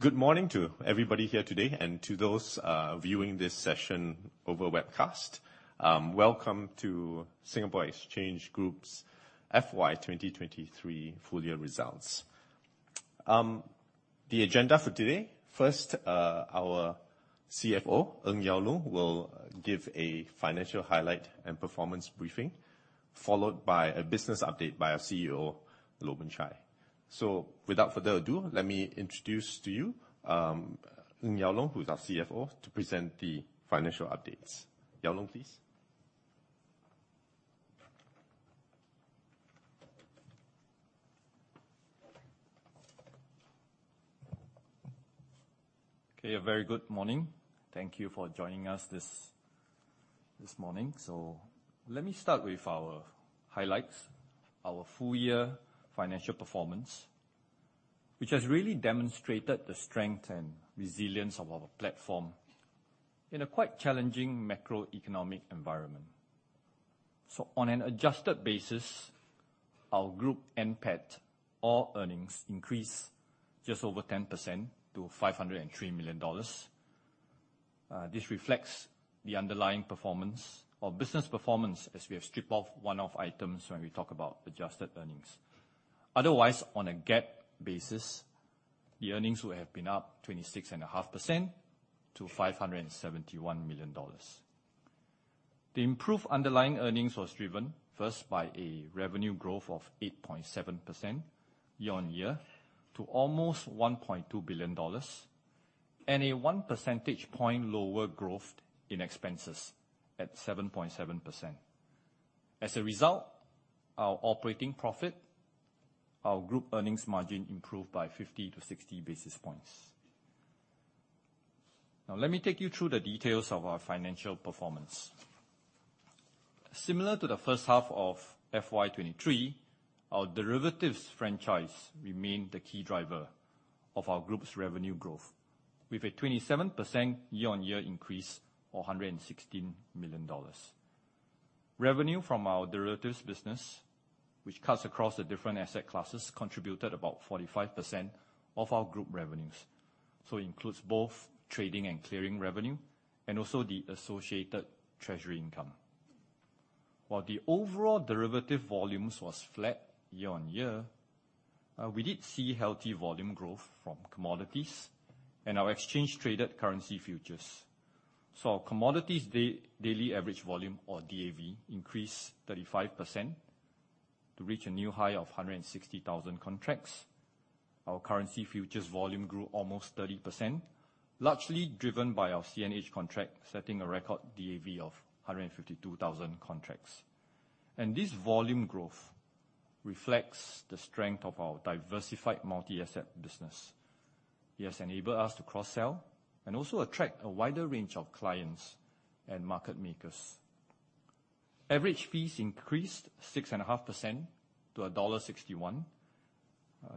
Good morning to everybody here today, and to those viewing this session over webcast. Welcome to Singapore Exchange Group's FY 2023 full year results. The agenda for today, first, our CFO, Ng Yao Loong, will give a financial highlight and performance briefing, followed by a business update by our CEO, Loh Boon Chye. So without further ado, let me introduce to you, Ng Yao Loong, who is our CFO, to present the financial updates. Yao Loong, please. Okay, a very good morning. Thank you for joining us this, this morning. Let me start with our highlights, our full year financial performance, which has really demonstrated the strength and resilience of our platform in a quite challenging macroeconomic environment. On an adjusted basis, our group NPAT, all earnings increased just over 10% to 503 million dollars. This reflects the underlying performance or business performance, as we have stripped off one-off items when we talk about adjusted earnings. Otherwise, on a GAAP basis, the earnings would have been up 26.5% to 571 million dollars. The improved underlying earnings was driven first by a revenue growth of 8.7% year-on-year, to almost 1.2 billion dollars, and a one percentage point lower growth in expenses at 7.7%. As a result, our operating profit, our group earnings margin improved by 50-60 basis points. Let me take you through the details of our financial performance. Similar to the first half of FY 2023, our derivatives franchise remained the key driver of our group's revenue growth, with a 27% year-on-year increase, or 116 million dollars. Revenue from our derivatives business, which cuts across the different asset classes, contributed about 45% of our group revenues. Includes both trading and clearing revenue, and also the associated treasury income. While the overall derivative volumes was flat year-on-year, we did see healthy volume growth from commodities and our exchange-traded currency futures. Our commodities daily average volume, or DAV, increased 35% to reach a new high of 160,000 contracts. Our currency futures volume grew almost 30%, largely driven by our CNH contract, setting a record DAV of 152,000 contracts. This volume growth reflects the strength of our diversified multi-asset business. It has enabled us to cross-sell and also attract a wider range of clients and market makers. Average fees increased 6.5% to dollar 1.61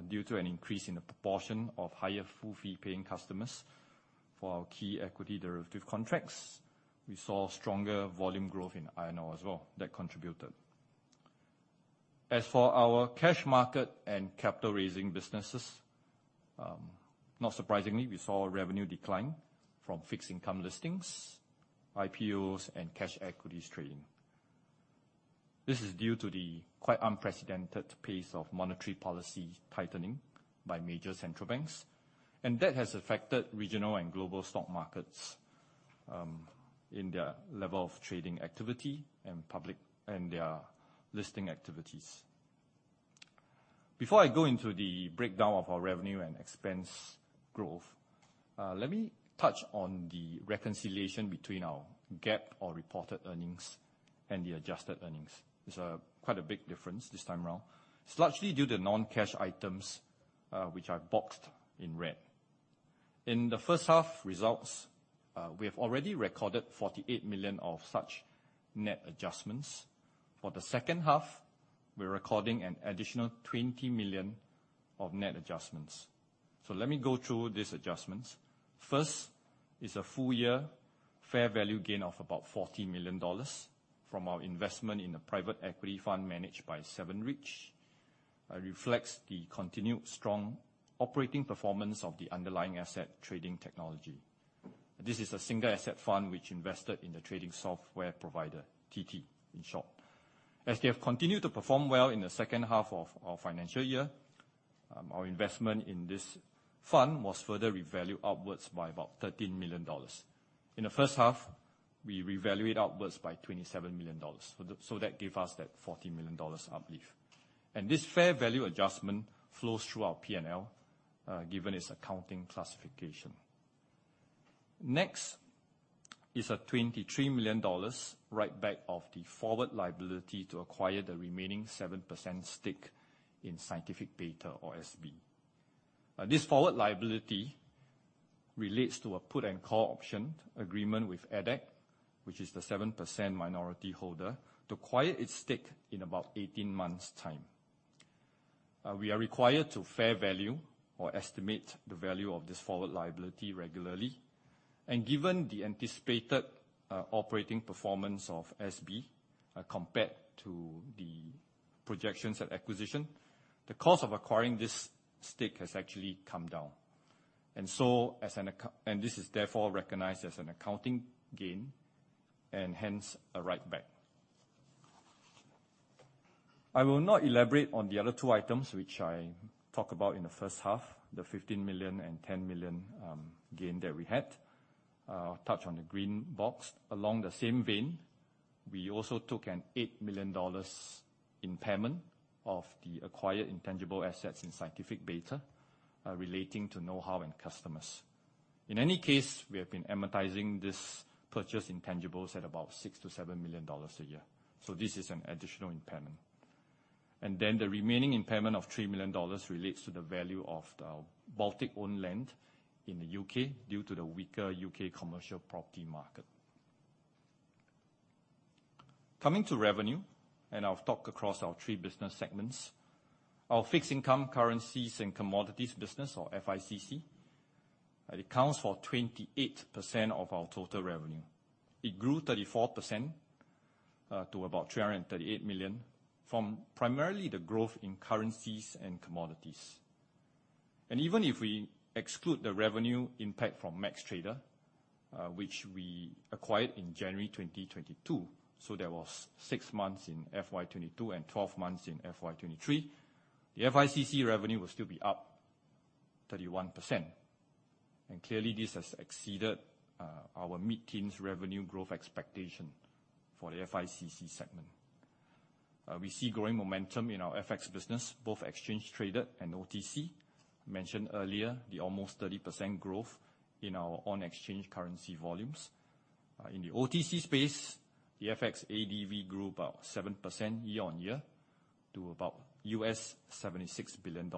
due to an increase in the proportion of higher full-fee-paying customers. For our key equity derivative contracts, we saw stronger volume growth in iron ore as well, that contributed. As for our cash market and capital-raising businesses, not surprisingly, we saw a revenue decline from fixed income listings, IPOs, and cash equities trading. This is due to the quite unprecedented pace of monetary policy tightening by major central banks. That has affected regional and global stock markets in their level of trading activity and public and their listing activities. Before I go into the breakdown of our revenue and expense growth, let me touch on the reconciliation between our GAAP or reported earnings and the adjusted earnings. It's quite a big difference this time around. It's largely due to non-cash items, which are boxed in red. In the first half results, we have already recorded 48 million of such net adjustments. For the second half, we're recording an additional 20 million of net adjustments. Let me go through these adjustments. First, is a full year fair value gain of about SGD 40 million from our investment in a private equity fund managed by 7RIDGE. Reflects the continued strong operating performance of the underlying asset Trading Technologies. This is a single asset fund which invested in the trading software provider, TT, in short. As they have continued to perform well in the second half of our financial year, our investment in this fund was further revalued upwards by about SGD 13 million. In the first half, we revalued upwards by SGD 27 million, that gave us that SGD 40 million uplift. This fair value adjustment flows through our P&L, given its accounting classification. Next, is a 23 million dollars write-back of the forward liability to acquire the remaining 7% stake in Scientific Beta, or SB. This forward liability relates to a put and call option agreement with EDHEC, which is the 7% minority holder, to acquire its stake in about 18 months' time. We are required to fair value or estimate the value of this forward liability regularly, given the anticipated operating performance of SB compared to the projections at acquisition, the cost of acquiring this stake has actually come down. This is therefore recognized as an accounting gain, and hence, a write-back. I will not elaborate on the other two items, which I talk about in the first half, the 15 million and 10 million gain that we had. Touch on the green box. Along the same vein, we also took an 8 million dollars impairment of the acquired intangible assets in Scientific Beta relating to know-how and customers. In any case, we have been amortizing this purchased intangibles at about 6 million-7 million dollars a year, so this is an additional impairment. The remaining impairment of 3 million dollars relates to the value of the Baltic owned land in the U.K., due to the weaker U.K. commercial property market. Coming to revenue, I'll talk across our three business segments. Our Fixed Income, Currencies, and Commodities business, or FICC, it accounts for 28% of our total revenue. It grew 34% to about 338 million, from primarily the growth in currencies and commodities. Even if we exclude the revenue impact from MaxxTrader, which we acquired in January 2022, so that was 6 months in FY 2022 and 12 months in FY 2023, the FICC revenue will still be up 31%. Clearly, this has exceeded our mid-teens revenue growth expectation for the FICC segment. We see growing momentum in our FX business, both exchange traded and OTC. Mentioned earlier, the almost 30% growth in our on-exchange currency volumes. In the OTC space, the FX ADV grew about 7% year-on-year to about $76 billion.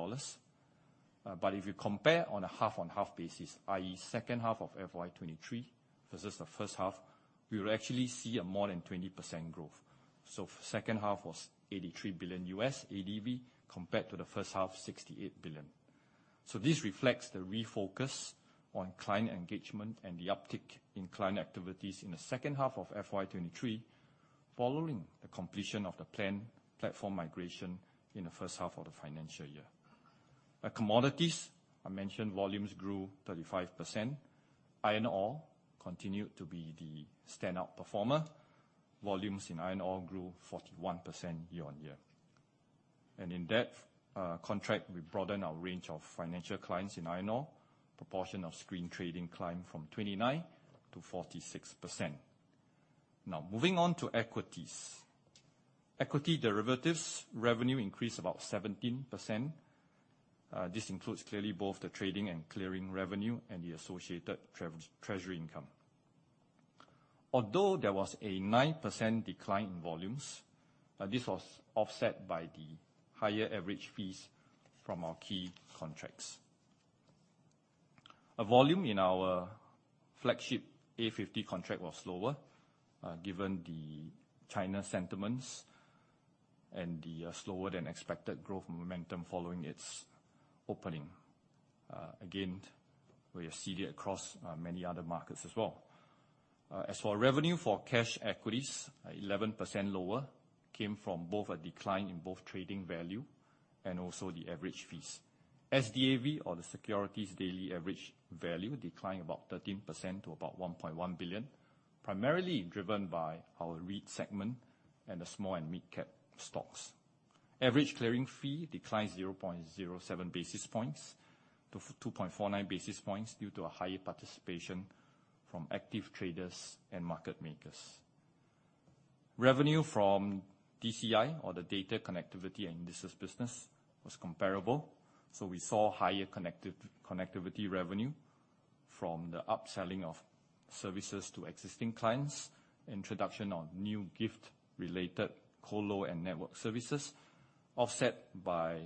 If you compare on a half-on-half basis, i.e., second half of FY 2023 versus the first half, we will actually see a more than 20% growth. Second half was $83 billion ADV, compared to the first half, $68 billion. This reflects the refocus on client engagement and the uptick in client activities in the second half of FY 2023, following the completion of the planned platform migration in the first half of the financial year. At Commodities, I mentioned volumes grew 35%. Iron ore continued to be the standout performer. Volumes in iron ore grew 41% year-on-year. In that contract, we broadened our range of financial clients in iron ore. Proportion of screen trading climbed from 29% to 46%. Now, moving on to Equities. Equity derivatives revenue increased about 17%. This includes clearly both the trading and clearing revenue and the associated treasury income. Although there was a 9% decline in volumes, this was offset by the higher average fees from our key contracts. A volume in our flagship A50 contract was slower, given the China sentiments and the slower than expected growth momentum following its opening. Again, we have seen it across many other markets as well. As for revenue for cash equities, 11% lower, came from both a decline in both trading value and also the average fees. SDAV, or the Securities Daily Average Value, declined about 13% to about 1.1 billion, primarily driven by our REIT segment and the small and mid-cap stocks. Average clearing fee declined 0.07 basis points, to 2.49 basis points, due to a higher participation from active traders and market makers. Revenue from DCI, or the Data Connectivity and Indices business, was comparable. We saw higher connectivity revenue from the upselling of services to existing clients, introduction of new GIFT-related colo and network services, offset by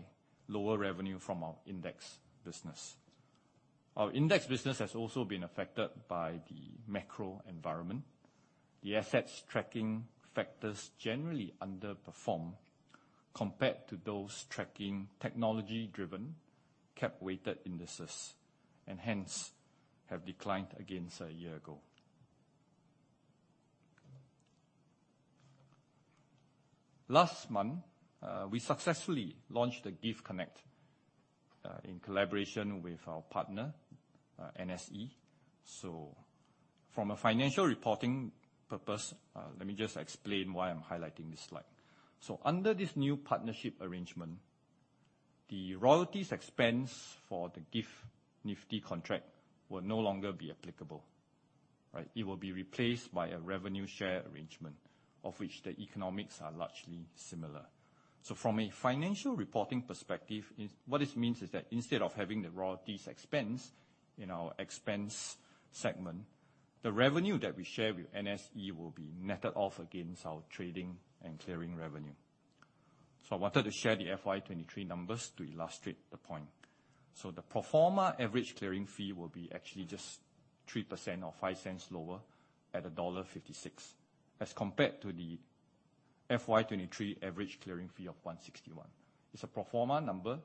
lower revenue from our index business. Our index business has also been affected by the macro environment. The assets tracking factors generally underperform compared to those tracking technology-driven, cap-weighted indices. Hence, have declined against a year ago. Last month, we successfully launched the GIFT Connect in collaboration with our partner, NSE. From a financial reporting purpose, let me just explain why I'm highlighting this slide. Under this new partnership arrangement, the royalties expense for the GIFT Nifty contract will no longer be applicable, right? It will be replaced by a revenue share arrangement, of which the economics are largely similar. From a financial reporting perspective, what this means is that instead of having the royalties expense in our expense segment, the revenue that we share with NSE will be netted off against our trading and clearing revenue. I wanted to share the FY 2023 numbers to illustrate the point. The pro forma average clearing fee will be actually just 3%, or 0.05 lower, at dollar 1.56, as compared to the FY 2023 average clearing fee of 1.61. It's a pro forma number.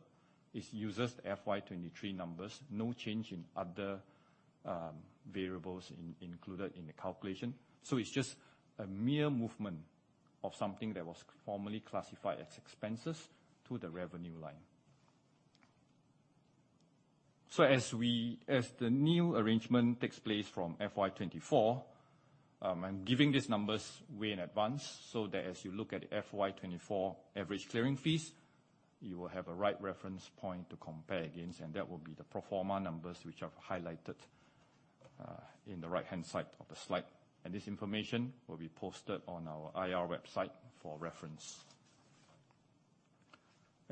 It uses the FY 2023 numbers. No change in other variables included in the calculation. It's just a mere movement of something that was formerly classified as expenses to the revenue line. As the new arrangement takes place from FY 2024, I'm giving these numbers way in advance, so that as you look at FY 2024 average clearing fees, you will have a right reference point to compare against, and that will be the pro forma numbers which I've highlighted in the right-hand side of the slide. This information will be posted on our IR website for reference.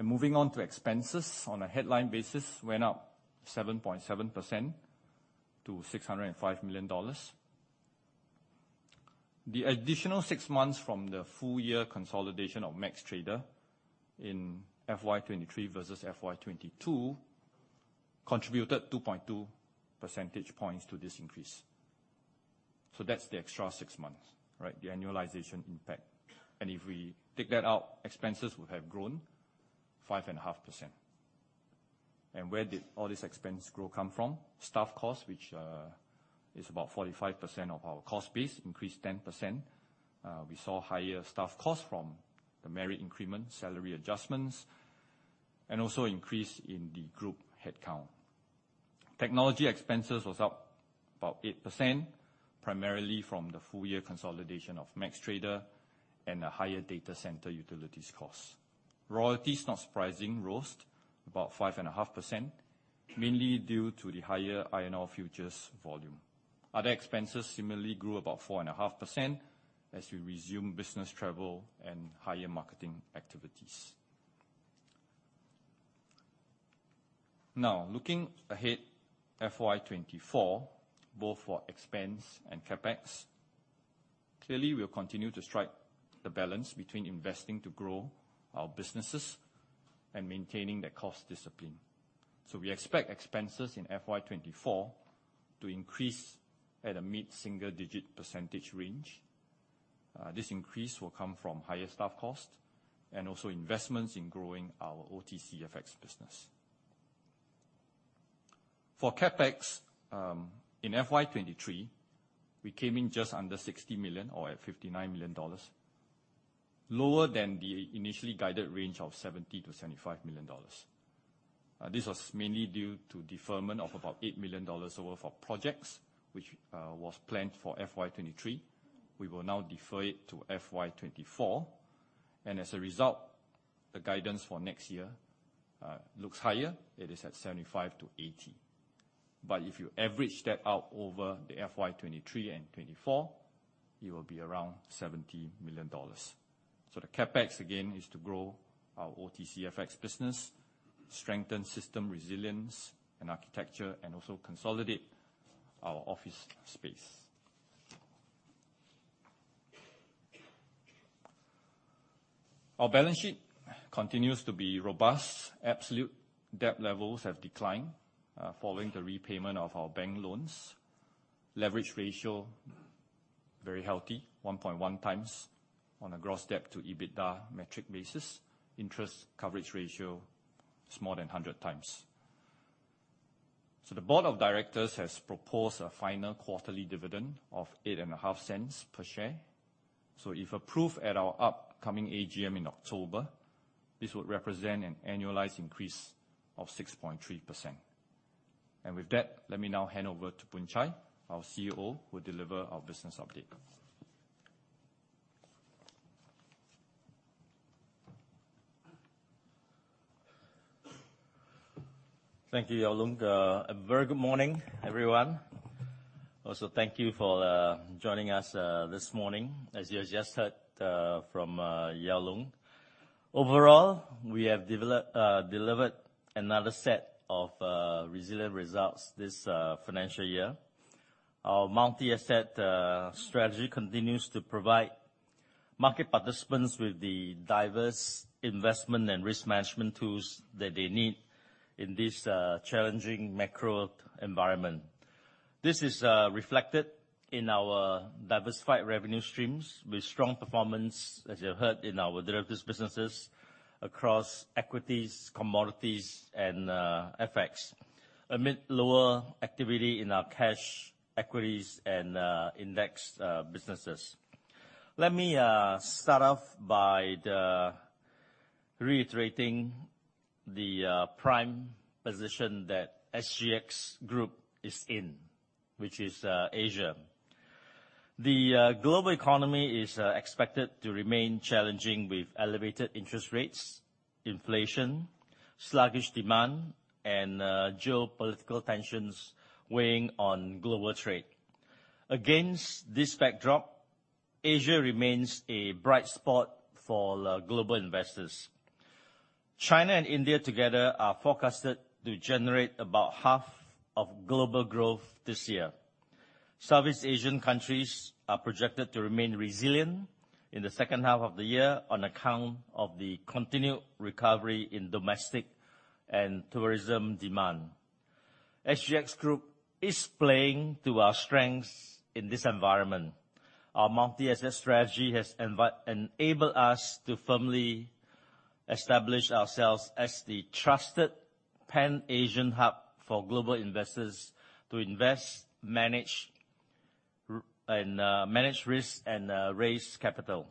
Moving on to expenses, on a headline basis, went up 7.7% to SGD 605 million. The additional six months from the full year consolidation of MaxxTrader in FY 2023 versus FY 2022 contributed 2.2 percentage points to this increase. That's the extra six months, right? The annualization impact. If we take that out, expenses would have grown 5.5%. Where did all this expense growth come from? Staff costs, which is about 45% of our cost base, increased 10%. We saw higher staff costs from the merit increment, salary adjustments, and also increase in the group headcount. Technology expenses was up about 8%, primarily from the full-year consolidation of MaxxTrader and a higher data center utilities cost. Royalties, not surprising, rose about 5.5%, mainly due to the higher INR futures volume. Other expenses similarly grew about 4.5% as we resume business travel and higher marketing activities. Looking ahead, FY 2024, both for expense and CapEx, clearly we'll continue to strike the balance between investing to grow our businesses and maintaining the cost discipline. We expect expenses in FY 2024 to increase at a mid-single-digit percentage range. This increase will come from higher staff cost and also investments in growing our OTCFX business. For CapEx, in FY 2023, we came in just under $60 million or at $59 million, lower than the initially guided range of $70 million-$75 million. This was mainly due to deferment of about $8 million for projects which was planned for FY 2023. We will now defer it to FY 2024, and as a result, the guidance for next year looks higher. It is at $75 million-$80 million. If you average that out over the FY 2023 and 2024, it will be around 70 million dollars. The CapEx, again, is to grow our OTCFX business, strengthen system resilience and architecture, and also consolidate our office space. Our balance sheet continues to be robust. Absolute debt levels have declined following the repayment of our bank loans. Leverage ratio, very healthy, 1.1x on a gross debt to EBITDA metric basis. Interest coverage ratio is more than 100x. The board of directors has proposed a final quarterly dividend of 0.085 per share. If approved at our upcoming AGM in October, this would represent an annualized increase of 6.3%. With that, let me now hand over to Boon Chye, our CEO, who will deliver our business update. Thank you, Yao Loong. A very good morning, everyone. Also, thank you for joining us this morning. As you have just heard from Yao Loong, overall, we have delivered another set of resilient results this financial year. Our multi-asset strategy continues to provide market participants with the diverse investment and risk management tools that they need in this challenging macro environment. This is reflected in our diversified revenue streams, with strong performance, as you heard, in our derivatives businesses across equities, commodities, and FX, amid lower activity in our cash, equities, and index businesses. Let me start off by reiterating the prime position that SGX Group is in, which is Asia. The global economy is expected to remain challenging with elevated interest rates, inflation, sluggish demand, and geopolitical tensions weighing on global trade. Against this backdrop, Asia remains a bright spot for global investors. China and India together are forecasted to generate about half of global growth this year. Southeast Asian countries are projected to remain resilient in the second half of the year on account of the continued recovery in domestic and tourism demand. SGX Group is playing to our strengths in this environment. Our multi-asset strategy has enabled us to firmly establish ourselves as the trusted Pan-Asian hub for global investors to invest, manage, and manage risk, and raise capital.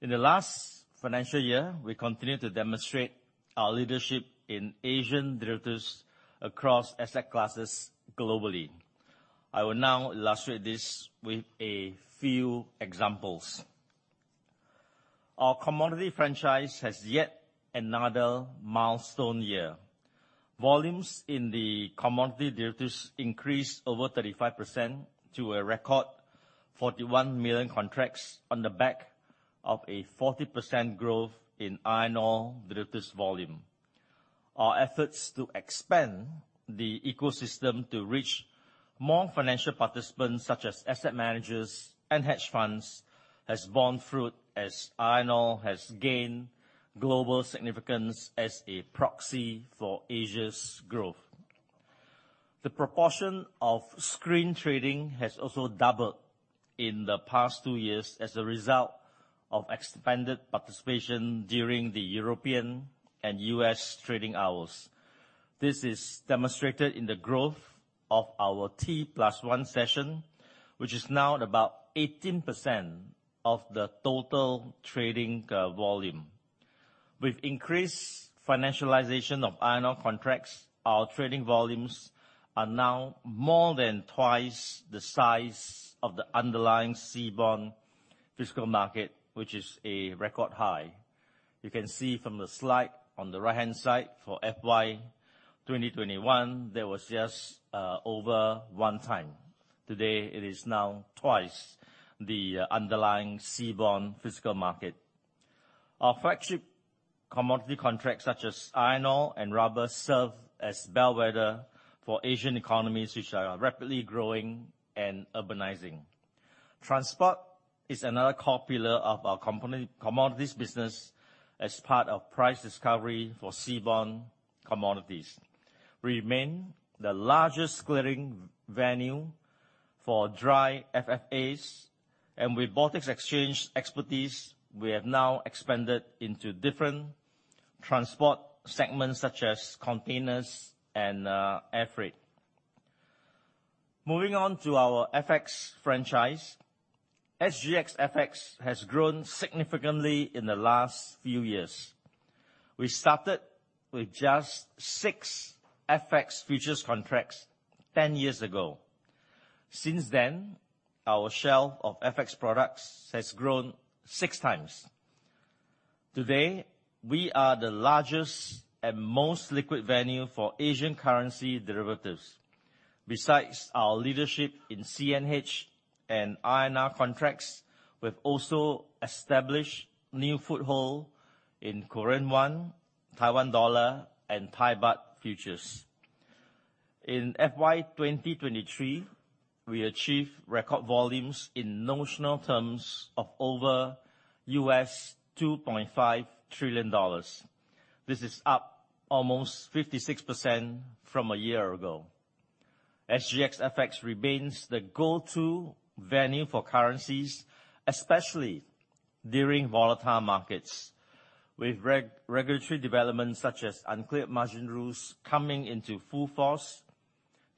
In the last financial year, we continued to demonstrate our leadership in Asian derivatives across asset classes globally. I will now illustrate this with a few examples. Our commodity franchise has yet another milestone year. Volumes in the commodity derivatives increased over 35% to a record 41 million contracts on the back of a 40% growth in iron ore derivatives volume. Our efforts to expand the ecosystem to reach more financial participants, such as asset managers and hedge funds, has borne fruit, as iron ore has gained global significance as a proxy for Asia's growth. The proportion of screen trading has also doubled in the past two years as a result of expanded participation during the European and U.S. trading hours. This is demonstrated in the growth of our T+1 session, which is now about 18% of the total trading volume. With increased financialization of iron ore contracts, our trading volumes are now more than twice the size of the underlying seaborne physical market, which is a record high. You can see from the slide on the right-hand side, for FY 2021, there was just over one time. Today, it is now twice the underlying seaborne physical market. Our flagship commodity contracts, such as iron ore and rubber, serve as bellwether for Asian economies, which are rapidly growing and urbanizing. Transport is another core pillar of our commodities business as part of price discovery for seaborne commodities. Remain the largest clearing venue for dry FFAs, and with Baltic Exchange expertise, we have now expanded into different transport segments such as containers and airfreight. Moving on to our FX franchise, SGX FX has grown significantly in the last few years. We started with just six FX futures contracts 10 years ago. Since then, our shelf of FX products has grown 6x. Today, we are the largest and most liquid venue for Asian currency derivatives. Besides our leadership in CNH and INR contracts, we've also established new foothold in Korean won, Taiwan dollar, and Thai baht futures. In FY 2023, we achieved record volumes in notional terms of over $2.5 trillion. This is up almost 56% from a year ago. SGX FX remains the go-to venue for currencies, especially during volatile markets. With regulatory developments, such as Uncleared Margin Rules coming into full force,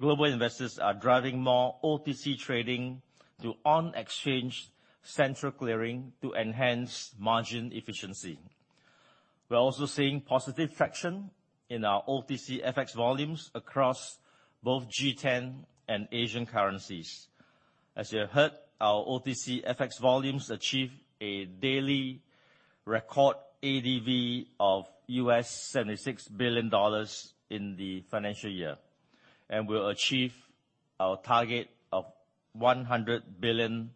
global investors are driving more OTC trading to on-exchange central clearing to enhance margin efficiency. We're also seeing positive traction in our OTCFX volumes across both G10 and Asian currencies. As you have heard, our OTCFX volumes achieve a daily record ADV of $76 billion in the financial year, and we'll achieve our target of $100 billion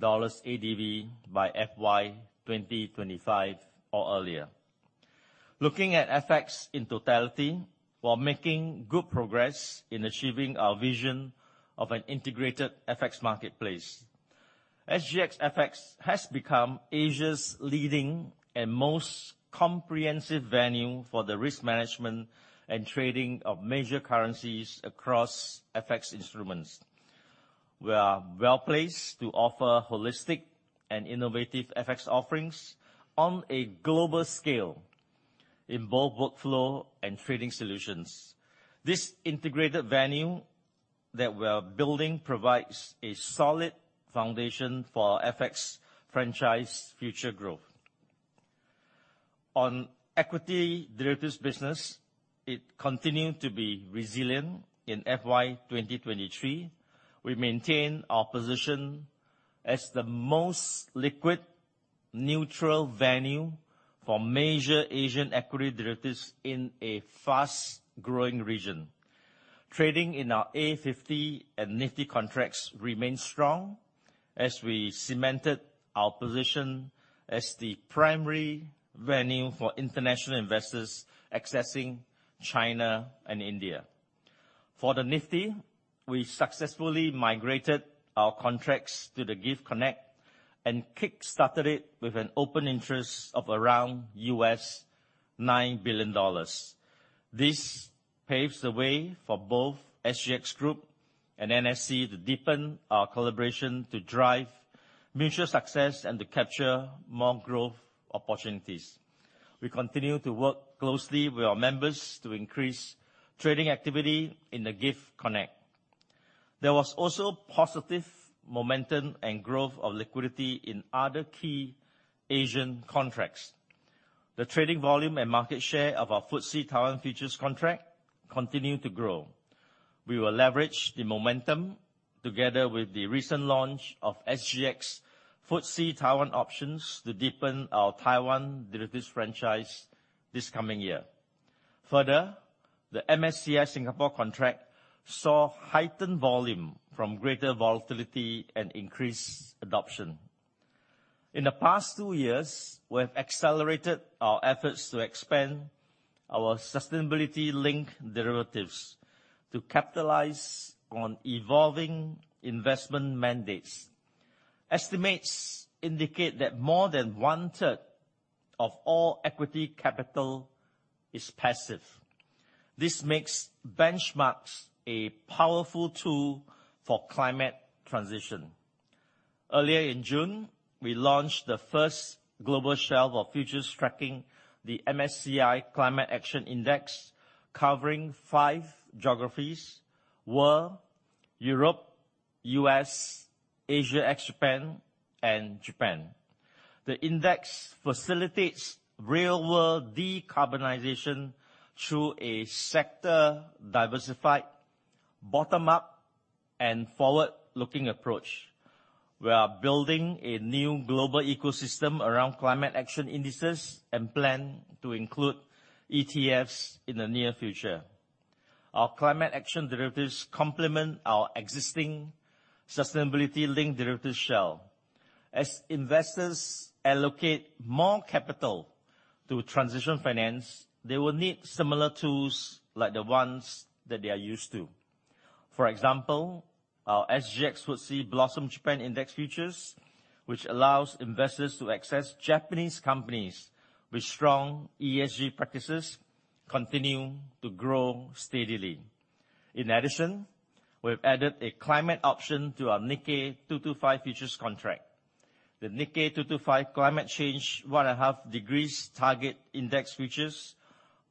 ADV by FY 2025 or earlier. Looking at FX in totality, while making good progress in achieving our vision of an integrated FX marketplace, SGX FX has become Asia's leading and most comprehensive venue for the risk management and trading of major currencies across FX instruments. We are well-placed to offer holistic and innovative FX offerings on a global scale in both workflow and trading solutions. This integrated venue that we're building provides a solid foundation for our FX franchise future growth. On equity derivatives business, it continued to be resilient in FY 2023. We maintained our position as the most liquid, neutral venue for major Asian equity derivatives in a fast-growing region. Trading in our A50 and Nifty contracts remained strong as we cemented our position as the primary venue for international investors accessing China and India. For the Nifty, we successfully migrated our contracts to the GIFT Connect and kick-started it with an open interest of around $9 billion. This paves the way for both SGX Group and NSE to deepen our collaboration to drive mutual success and to capture more growth opportunities. We continue to work closely with our members to increase trading activity in the GIFT Connect. There was also positive momentum and growth of liquidity in other key Asian contracts. The trading volume and market share of our FTSE Taiwan futures contract continue to grow. We will leverage the momentum, together with the recent launch of SGX FTSE Taiwan options, to deepen our Taiwan derivatives franchise this coming year. Further, the MSCI Singapore contract saw heightened volume from greater volatility and increased adoption. In the past two years, we have accelerated our efforts to expand our sustainability-linked derivatives to capitalize on evolving investment mandates. Estimates indicate that more than one-third of all equity capital is passive. This makes benchmarks a powerful tool for climate transition. Earlier in June, we launched the first global shelf of futures tracking the MSCI Climate Action Indexes, covering five geographies, World, Europe, U.S., Asia ex Japan and Japan. The index facilitates real-world decarbonization through a sector-diversified, bottom-up, and forward-looking approach. We are building a new global ecosystem around climate action indices and plan to include ETFs in the near future. Our climate action derivatives complement our existing sustainability-linked derivatives shell. As investors allocate more capital to transition finance, they will need similar tools like the ones that they are used to. For example, our SGX FTSE Blossom Japan Index Futures, which allows investors to access Japanese companies with strong ESG practices, continue to grow steadily. In addition, we've added a climate option to our Nikkei 225 futures contract. The Nikkei 225 Climate Change 1.5 Degrees Target Index Futures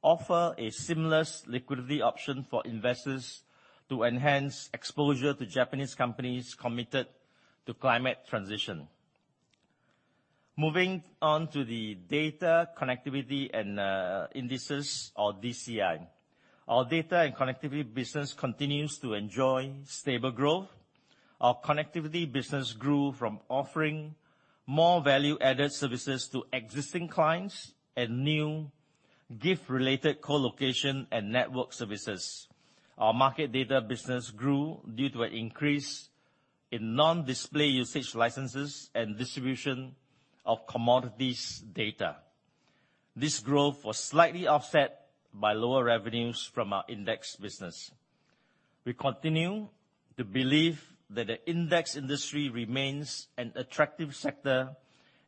offer a seamless liquidity option for investors to enhance exposure to Japanese companies committed to climate transition. Moving on to the Data Connectivity and Indices, or DCI. Our data and connectivity business continues to enjoy stable growth. Our connectivity business grew from offering more value-added services to existing clients and new GIFT-related colocation and network services. Our market data business grew due to an increase in non-display usage licenses and distribution of commodities data. This growth was slightly offset by lower revenues from our index business. We continue to believe that the index industry remains an attractive sector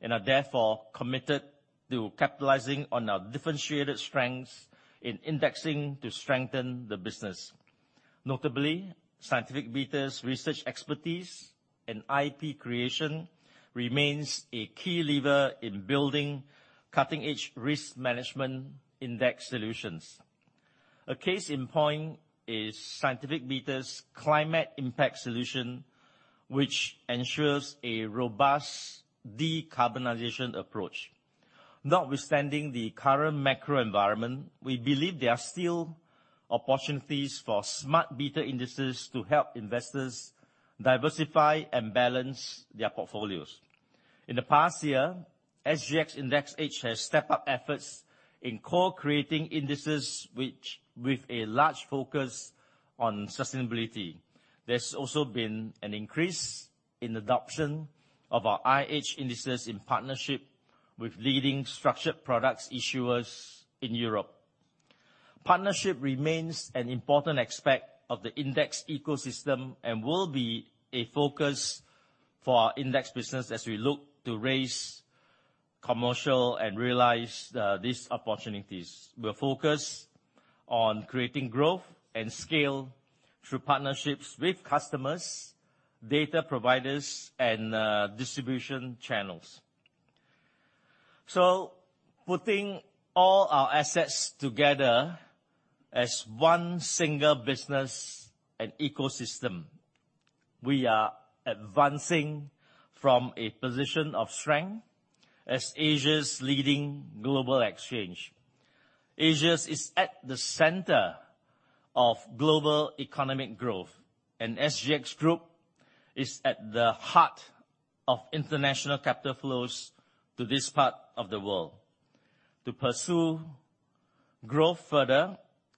and are therefore committed to capitalizing on our differentiated strengths in indexing to strengthen the business. Notably, Scientific Beta's research expertise in IP creation remains a key lever in building cutting-edge risk management index solutions. A case in point is Scientific Beta's Climate Impact Solution, which ensures a robust decarbonization approach. Notwithstanding the current macro environment, we believe there are still opportunities for smart beta indices to help investors diversify and balance their portfolios. In the past year, SGX Index Edge has stepped up efforts in co-creating indices, which with a large focus on sustainability. There's also been an increase in adoption of our iEdge indices in partnership with leading structured products issuers in Europe. Partnership remains an important aspect of the index ecosystem and will be a focus for our index business as we look to raise commercial and realize these opportunities. We're focused on creating growth and scale through partnerships with customers, data providers, and distribution channels. Putting all our assets together as one single business and ecosystem, we are advancing from a position of strength as Asia's leading global exchange. Asia is at the center of global economic growth, and SGX Group is at the heart of international capital flows to this part of the world. To pursue growth further,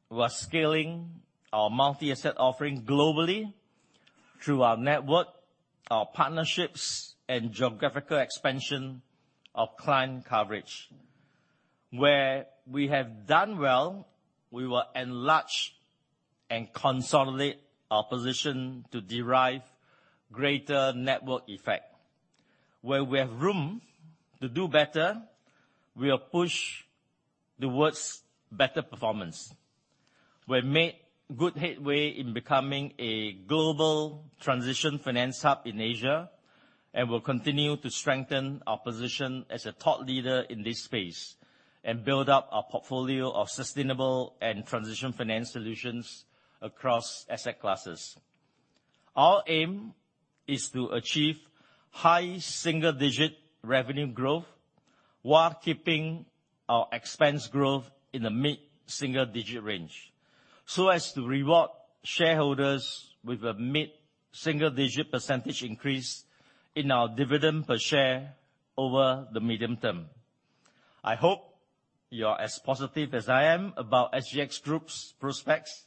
we are scaling our multi-asset offering globally through our network, our partnerships, and geographical expansion of client coverage. Where we have done well, we will enlarge and consolidate our position to derive greater network effect. Where we have room to do better, we will push towards better performance. We've made good headway in becoming a global transition finance hub in Asia, and we'll continue to strengthen our position as a thought leader in this space, and build up our portfolio of sustainable and transition finance solutions across asset classes. Our aim is to achieve high single-digit revenue growth while keeping our expense growth in the mid-single digit range, so as to reward shareholders with a mid-single digit % increase in our dividend per share over the medium term. I hope you're as positive as I am about SGX Group's prospects.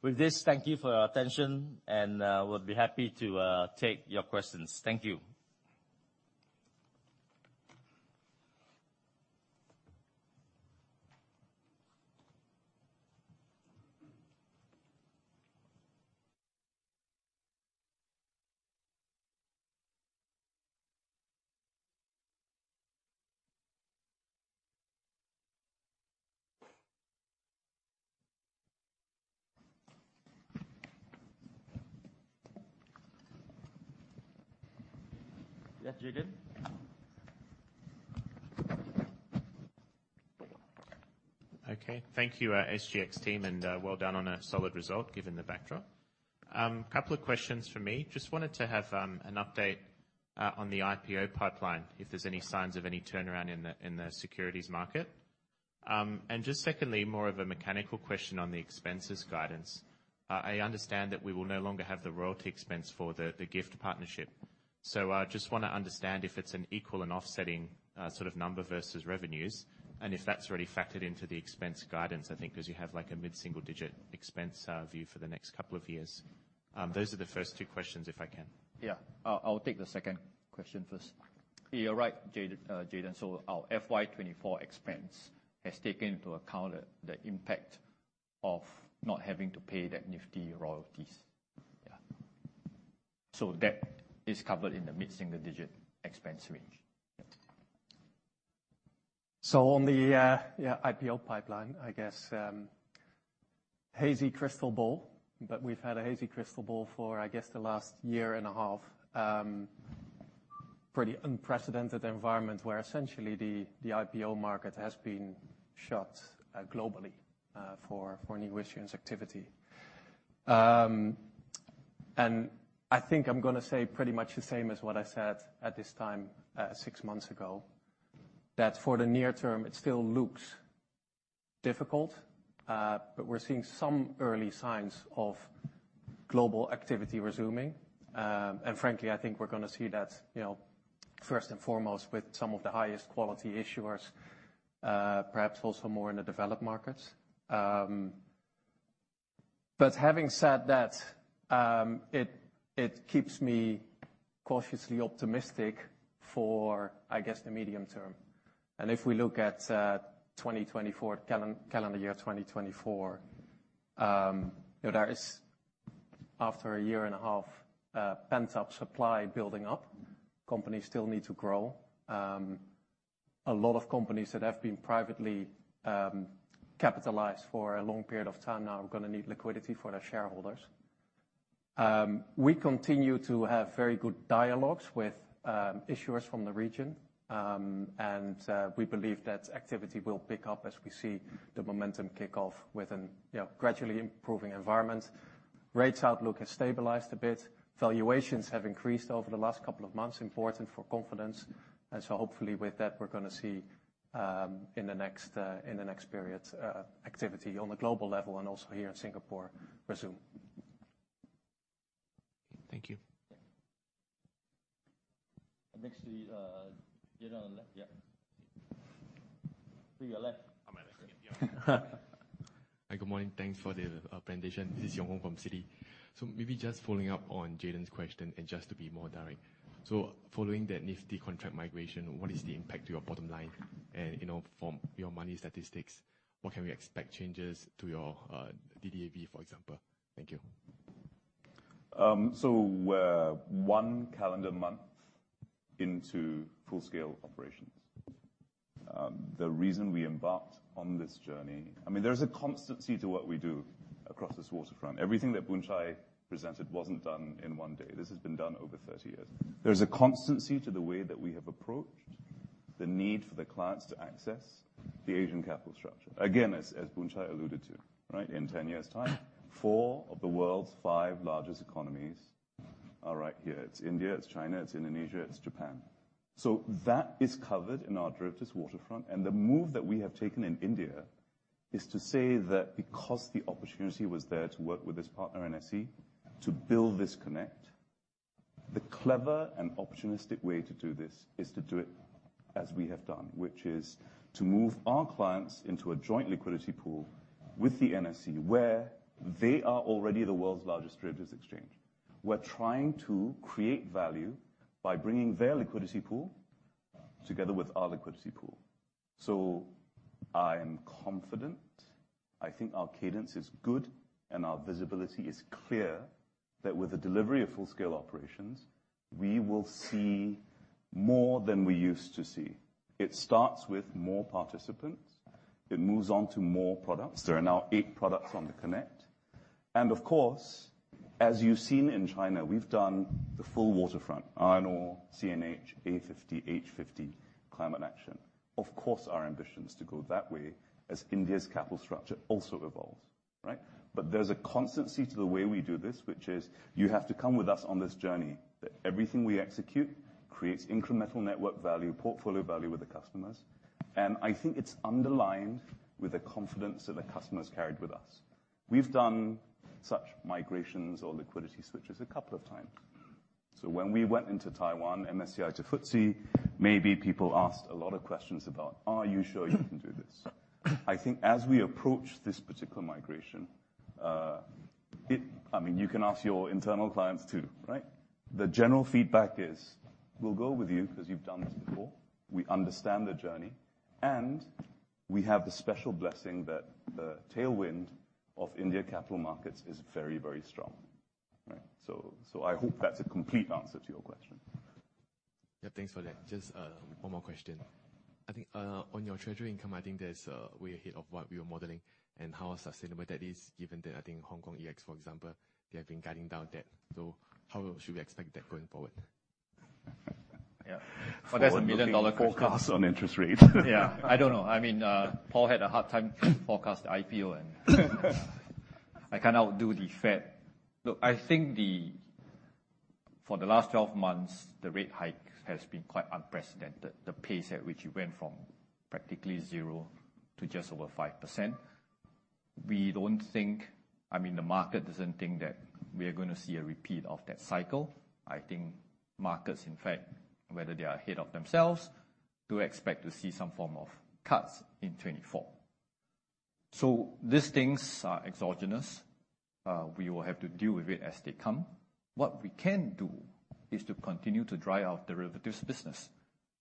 With this, thank you for your attention, and we'll be happy to take your questions. Thank you. Yeah, Jayden? Okay, thank you, SGX team, and well done on a solid result, given the backdrop. Couple of questions from me. Just wanted to have an update on the IPO pipeline, if there's any signs of any turnaround in the, in the securities market. Just secondly, more of a mechanical question on the expenses guidance. I understand that we will no longer have the royalty expense for the, the GIFT partnership. Just wanna understand if it's an equal and offsetting sort of number versus revenues, and if that's already factored into the expense guidance, I think, 'cause you have, like, a mid-single digit expense view for the next couple of years. Those are the first two questions, if I can. Yeah. I'll, I'll take the second question first. You're right, Jay, Jayden, our FY 2024 expense has taken into account the, the impact of not having to pay the Nifty royalties. Yeah. That is covered in the mid-single digit expense range. On the, yeah, IPO pipeline, I guess, hazy crystal ball, but we've had a hazy crystal ball for, I guess, the last year and a half. Pretty unprecedented environment, where essentially the, the IPO market has been shut, globally, for, for new issuance activity. I think I'm gonna say pretty much the same as what I said at this time, six months ago, that for the near term it still looks difficult, but we're seeing some early signs of global activity resuming. Frankly, I think we're gonna see that, you know, first and foremost, with some of the highest quality issuers, perhaps also more in the developed markets. Having said that, it, it keeps me cautiously optimistic for, I guess, the medium term. If we look at 2024, calendar year 2024, you know, there is, after a year and a half, pent-up supply building up. Companies still need to grow. A lot of companies that have been privately capitalized for a long period of time now are gonna need liquidity for their shareholders. We continue to have very good dialogues with issuers from the region, we believe that activity will pick up as we see the momentum kick off with an, you know, gradually improving environment. Rates outlook has stabilized a bit. Valuations have increased over the last couple of months, important for confidence, hopefully with that, we're gonna see in the next in the next period, activity on the global level and also here in Singapore resume. Thank you. Yeah. Next to the. Yeah, on the left. Yeah. To your left. Hi, good morning. Thanks for the presentation. This is Yong Hong from Citigroup. Maybe just following up on Jayden's question, and just to be more direct. Following that Nifty contract migration, what is the impact to your bottom line? And, you know, from your money statistics, what can we expect changes to your DDAV, for example? Thank you. We're one calendar month into full-scale operations. The reason we embarked on this journey, I mean, there's a constancy to what we do across this waterfront. Everything that Boon Chye presented wasn't done in one day. This has been done over 30 years. There's a constancy to the way that we have approached the need for the clients to access the Asian capital structure. Again, as, as Boon Chye alluded to, right? In 10 years' time, four of the world's five largest economies are right here. It's India, it's China, it's Indonesia, it's Japan. That is covered in our derivatives waterfront, and the move that we have taken in India is to say that because the opportunity was there to work with this partner, NSE, to build this Connect, the clever and opportunistic way to do this is to do it as we have done, which is to move our clients into a joint liquidity pool with the NSE, where they are already the world's largest derivatives exchange. We're trying to create value by bringing their liquidity pool together with our liquidity pool. I am confident. I think our cadence is good, and our visibility is clear, that with the delivery of full-scale operations, we will see more than we used to see. It starts with more participants. It moves on to more products. There are now eight products on the Connect. Of course, as you've seen in China, we've done the full waterfront, Iron ore, CNH, A50, H50, Climate Action. Of course, our ambition is to go that way as India's capital structure also evolves, right? There's a constancy to the way we do this, which is, you have to come with us on this journey, that everything we execute creates incremental network value, portfolio value with the customers. I think it's underlined with the confidence that the customers carried with us. We've done such migrations or liquidity switches a couple of times. When we went into Taiwan, MSCI to FTSE, maybe people asked a lot of questions about, "Are you sure you can do this?" I think as we approach this particular migration, I mean, you can ask your internal clients, too, right? The general feedback is, "We'll go with you because you've done this before. We understand the journey," and we have the special blessing that the tailwind of India capital markets is very, very strong, right? I hope that's a complete answer to your question. Yeah, thanks for that. Just one more question. I think on your treasury income, I think there's way ahead of what we were modeling and how sustainable that is, given that, I think, Hong Kong EX, for example, they have been cutting down debt. How should we expect that going forward? Yeah. Well, that's a million-dollar question forecast on interest rate. Yeah, I don't know. I mean, Pol had a hard time forecasting IPO. I can outdo the Fed. Look, I think for the last 12 months, the rate hike has been quite unprecedented. The pace at which you went from practically zero to just over 5%. We don't think, I mean, the market doesn't think that we are gonna see a repeat of that cycle. I think markets, in fact, whether they are ahead of themselves, do expect to see some form of cuts in 2024. These things are exogenous. We will have to deal with it as they come. What we can do is to continue to drive our derivatives business.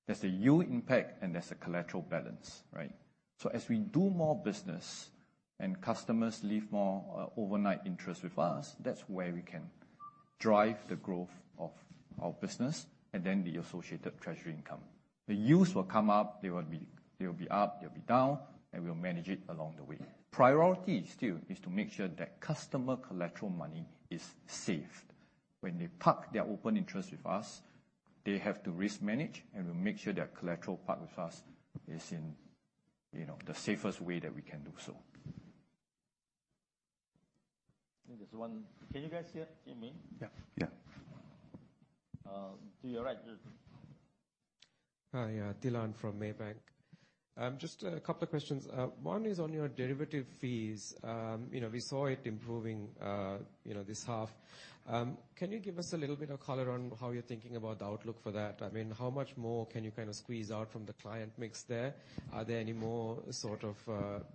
There's a yield impact and there's a collateral balance, right? As we do more business and customers leave more overnight interest with us, that's where we can drive the growth of our business and then the associated treasury income. The yields will come up, they'll be up, they'll be down, and we'll manage it along the way. Priority still is to make sure that customer collateral money is safe. When they park their open interest with us, they have to risk manage, and we'll make sure their collateral parked with us is in, you know, the safest way that we can do so. I think there's one. Can you guys hear me? Yeah. Yeah. To your right. Hi, yeah. Thilan from Maybank. Just a couple of questions. One is on your derivative fees. You know, we saw it improving, you know, this half. Can you give us a little bit of color on how you're thinking about the outlook for that? I mean, how much more can you kind of squeeze out from the client mix there? Are there any more sort of,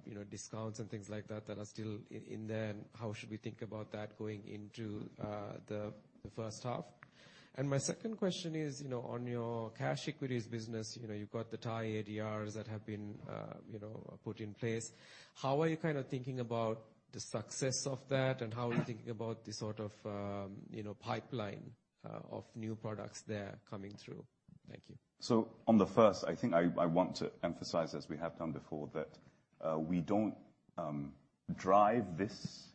you know, discounts and things like that, that are still in there, and how should we think about that going into, the, the 1st half? My 2nd question is, you know, on your cash equities business, you know, you've got the Thai ADRs that have been, you know, put in place. How are you kind of thinking about the success of that, and how are you thinking about the sort of, you know, pipeline of new products there coming through? Thank you. On the first, I think I, I want to emphasize, as we have done before, that we don't drive this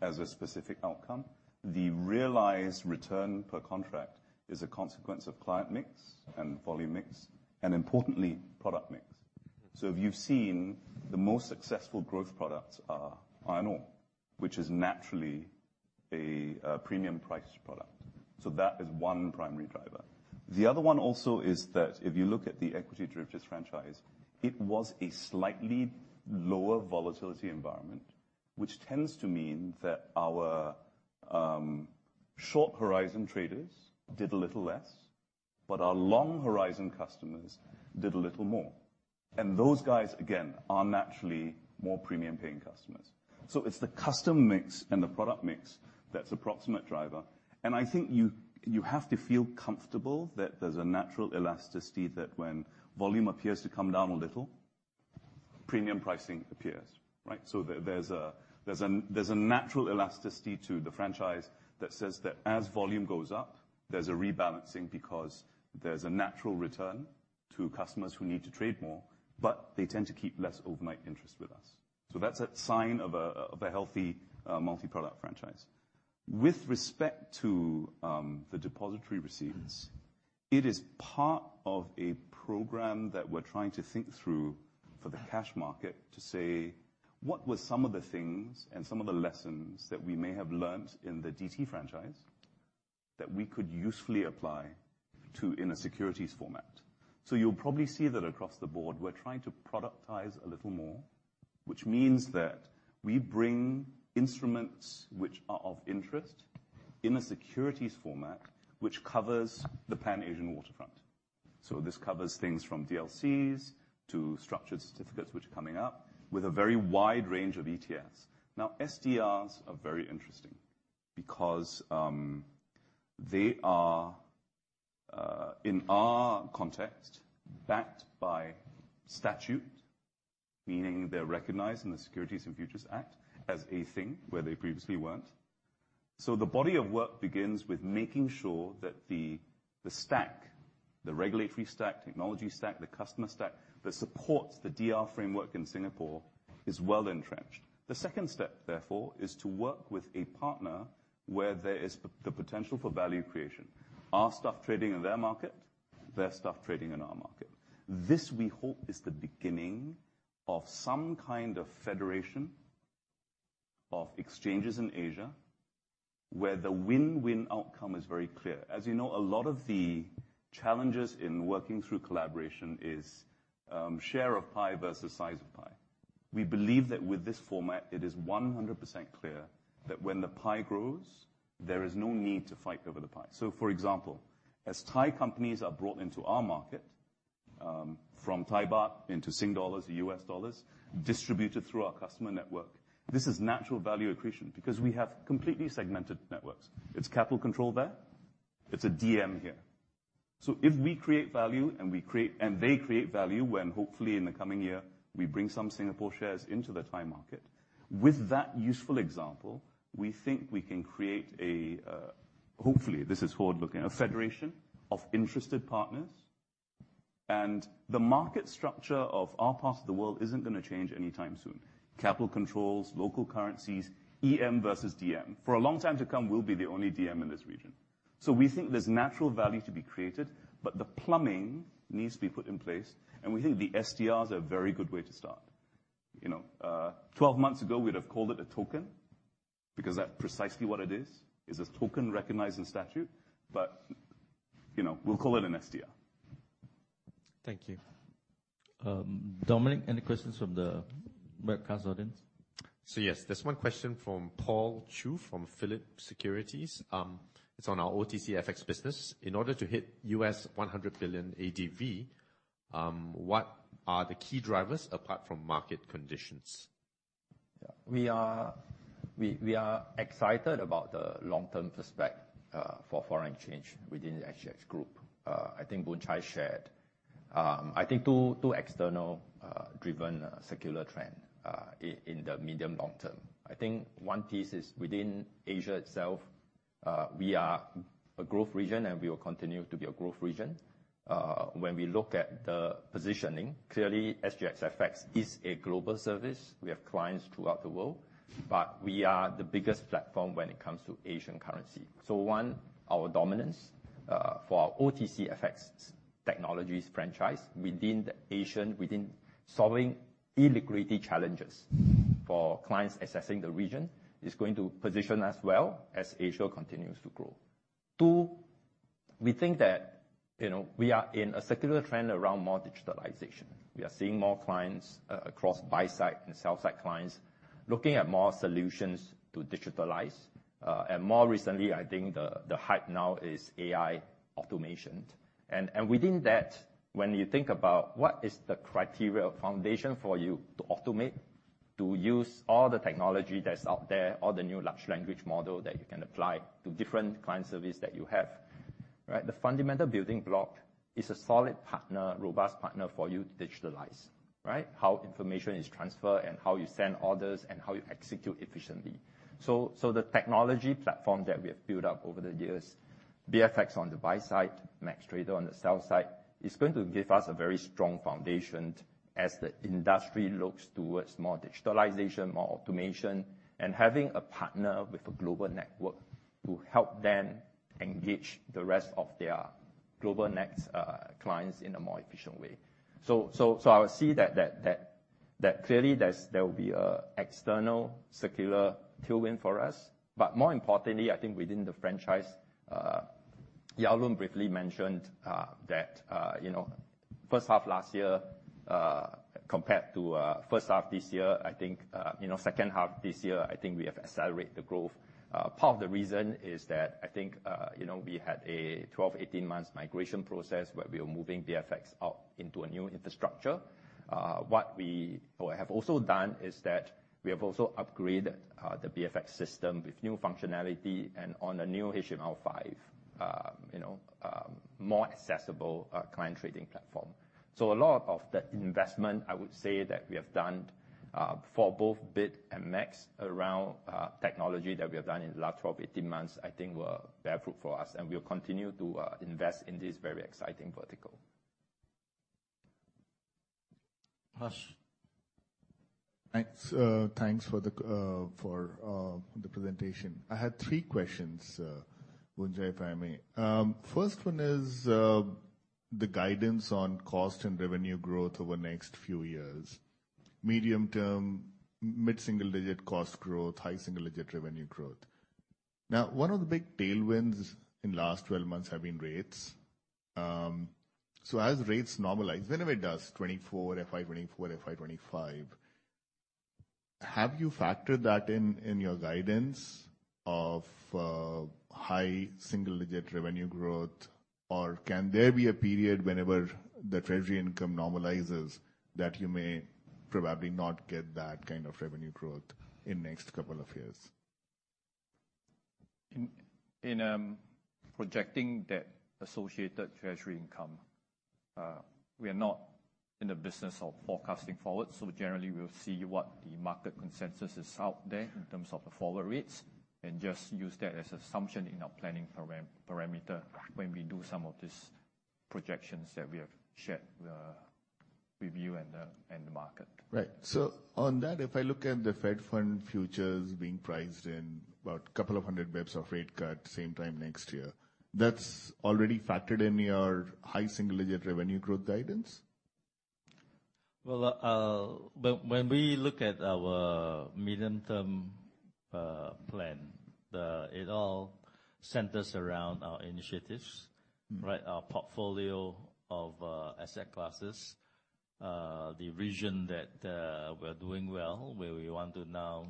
as a specific outcome. The realized return per contract is a consequence of client mix and volume mix, and importantly, product mix. If you've seen the most successful growth products are iron ore, which is naturally a premium priced product. That is one primary driver. The other one also is that if you look at the equity derivatives franchise, it was a slightly lower volatility environment, which tends to mean that our short-horizon traders did a little less, but our long-horizon customers did a little more. Those guys, again, are naturally more premium-paying customers. It's the custom mix and the product mix that's approximate driver. I think you, you have to feel comfortable that there's a natural elasticity, that when volume appears to come down a little, premium pricing appears, right? There, there's a, there's a, there's a natural elasticity to the franchise that says that as volume goes up, there's a rebalancing because there's a natural return to customers who need to trade more, but they tend to keep less overnight interest with us. That's a sign of a, of a healthy, multi-product franchise. With respect to the depository receipts, it is part of a program that we're trying to think through for the cash market to say: What were some of the things and some of the lessons that we may have learned in the DT franchise, that we could usefully apply to in a securities format? You'll probably see that across the board, we're trying to productize a little more, which means that we bring instruments which are of interest in a securities format, which covers the Pan-Asian waterfront. This covers things from DLCs to structured certificates, which are coming up, with a very wide range of ETFs. Now, SDRs are very interesting because they are in our context, backed by statute, meaning they're recognized in the Securities and Futures Act as a thing where they previously weren't. The body of work begins with making sure that the, the stack, the regulatory stack, technology stack, the customer stack, that supports the DR framework in Singapore is well entrenched. The second step, therefore, is to work with a partner where there is the potential for value creation. Our stuff trading in their market, their stuff trading in our market. This, we hope, is the beginning of some kind of federation of exchanges in Asia, where the win-win outcome is very clear. As you know, a lot of the challenges in working through collaboration is, share of pie versus size of pie. We believe that with this format, it is 100% clear that when the pie grows, there is no need to fight over the pie. For example, as Thai companies are brought into our market, from Thai baht into Singapore dollars or U.S. dollars, distributed through our customer network, this is natural value accretion because we have completely segmented networks. It's capital control there, it's a DM here. If we create value and and they create value, when hopefully in the coming year, we bring some Singapore shares into the Thai market, with that useful example, we think we can create a, hopefully, this is forward-looking, a federation of interested partners. The market structure of our part of the world isn't gonna change anytime soon. Capital controls, local currencies, EM versus DM. For a long time to come, we'll be the only DM in this region. We think there's natural value to be created, but the plumbing needs to be put in place, and we think the SDR is a very good way to start. You know, 12 months ago, we'd have called it a token, because that's precisely what it is, is a token recognized in statute, but, you know, we'll call it an SDR. Thank you. Dominic, any questions from the webcast audience? Yes, there's one question from Paul Chew, from Phillip Securities. It's on our OTCFX business. In order to hit $100 billion ADV, what are the key drivers apart from market conditions? We are, we, we are excited about the long-term prospect for foreign exchange within the SGX Group. I think Boon Chye shared, I think two, two external driven secular trend in the medium long term. I think one piece is within Asia itself, we are a growth region, and we will continue to be a growth region. When we look at the positioning, clearly, SGX FX is a global service. We have clients throughout the world, but we are the biggest platform when it comes to Asian currency. One, our dominance for our OTCFX technologies franchise within the Asian, within solving illiquidity challenges for clients assessing the region, is going to position us well as Asia continues to grow. Two, we think that, you know, we are in a secular trend around more digitalization. We are seeing more clients across buy side and sell side clients, looking at more solutions to digitalize. More recently, I think the, the hype now is AI automation. Within that, when you think about what is the criteria of foundation for you to automate, to use all the technology that's out there, all the new large language model that you can apply to different client service that you have, right? The fundamental building block is a solid partner, robust partner for you to digitalize, right? How information is transferred, and how you send orders, and how you execute efficiently. The technology platform that we have built up over the years, BidFX on the buy side, MaxxTrader on the sell side, is going to give us a very strong foundation as the industry looks towards more digitalization, more automation, and having a partner with a global network to help them engage the rest of their global net, clients in a more efficient way. I would see that, that, that, that clearly, there's, there will be a external secular tailwind for us. More importantly, I think within the franchise, Yao Loong briefly mentioned that, you know, first half last year, compared to first half this year, I think, you know, second half this year, I think we have accelerated the growth. Part of the reason is that I think, you know, we had a 12, 18 months migration process, where we were moving BidFX out into a new infrastructure. What we have also done is that we have also upgraded the BidFX system with new functionality and on a new HTML5, more accessible client trading platform. A lot of the investment, I would say, that we have done for both BidFX and Max around technology that we have done in the last 12, 18 months, I think were bear fruit for us, and we will continue to invest in this very exciting vertical. Harsh? Thanks. Thanks for the for the presentation. I had three questions, Boon Chye, if I may. First one is the guidance on cost and revenue growth over the next few years. Medium term, mid-single digit cost growth, high single digit revenue growth. Now, one of the big tailwinds in last 12 months have been rates. So as rates normalize, whenever it does, FY 2024, FY 2025-ave you factored that in, in your guidance of high single-digit revenue growth? Can there be a period whenever the treasury income normalizes, that you may probably not get that kind of revenue growth in next couple of years? In, in projecting that associated treasury income, we are not in the business of forecasting forward, so generally we'll see what the market consensus is out there in terms of the forward rates, and just use that as assumption in our planning parameter when we do some of these projections that we have shared with you and the, and the market. Right. on that, if I look at the Fed Fund futures being priced in about 200 bps of rate cut same time next year, that's already factored in your high single-digit revenue growth guidance? Well, when, when we look at our medium-term plan, it all centers around our initiatives right? Our portfolio of asset classes, the region that we're doing well, where we want to now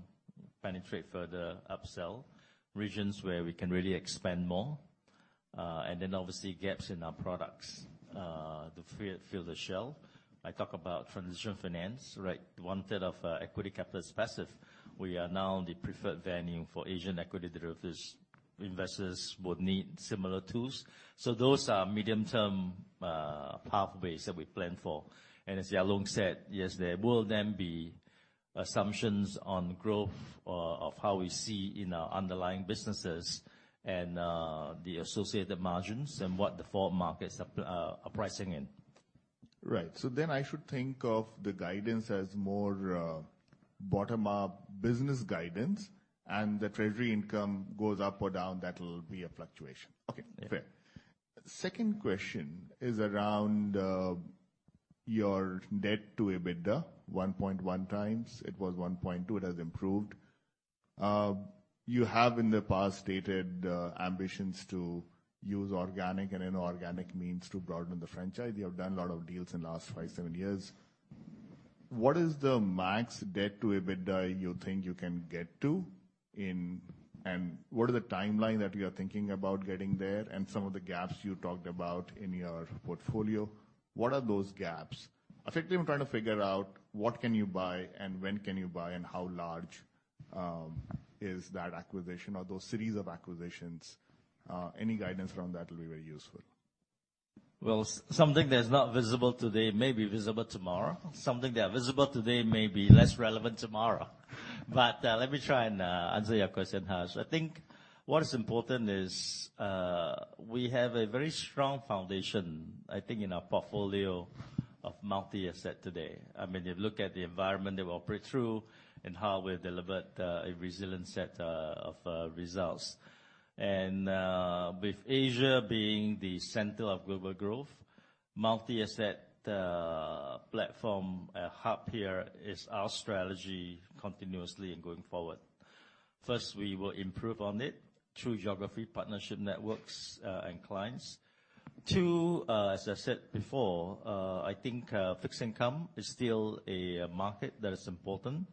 penetrate further, upsell, regions where we can really expand more, and then obviously, gaps in our products to fill, fill the shelf. I talk about transition finance, right? One third of equity capital specific, we are now the preferred venue for Asian equity derivatives. Investors would need similar tools. Those are medium-term pathways that we plan for. And as Ya Loong said, yes, there will then be assumptions on growth of how we see in our underlying businesses and the associated margins and what the forward markets are pricing in. Right. I should think of the guidance as more, bottom-up business guidance, and the treasury income goes up or down, that will be a fluctuation. Okay. Yeah. Fair. Second question is around your debt to EBITDA, 1.1x. It was 1.2x, it has improved. You have in the past stated ambitions to use organic and inorganic means to broaden the franchise. You have done a lot of deals in the last five, seven years. What is the max debt to EBITDA you think you can get to? What are the timeline that you are thinking about getting there, and some of the gaps you talked about in your portfolio, what are those gaps? Effectively, I'm trying to figure out what can you buy, and when can you buy, and how large is that acquisition or those series of acquisitions? Any guidance around that will be very useful. Well, something that is not visible today may be visible tomorrow. Something that are visible today may be less relevant tomorrow. Let me try and answer your question, Harsh. I think what is important is, we have a very strong foundation, I think, in our portfolio of multi-asset today. I mean, if you look at the environment that we operate through, and how we've delivered, a resilient set of results. With Asia being the center of global growth, multi-asset platform, hub here is our strategy continuously and going forward. First, we will improve on it through geography, partnership networks, and clients. Two, as I said before, I think, fixed income is still a market that is important.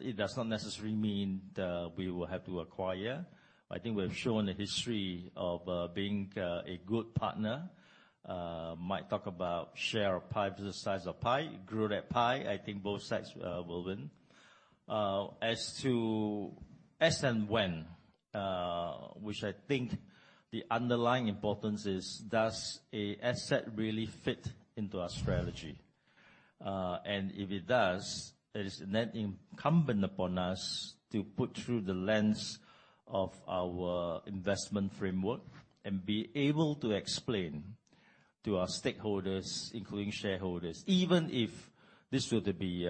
It does not necessarily mean that we will have to acquire. I think we've shown a history of being a good partner. Might talk about share of pie, business size of pie, grow that pie, I think both sides will win. As to as and when, which I think the underlying importance is, does an asset really fit into our strategy? If it does, it is then incumbent upon us to put through the lens of our investment framework and be able to explain to our stakeholders, including shareholders, even if this were to be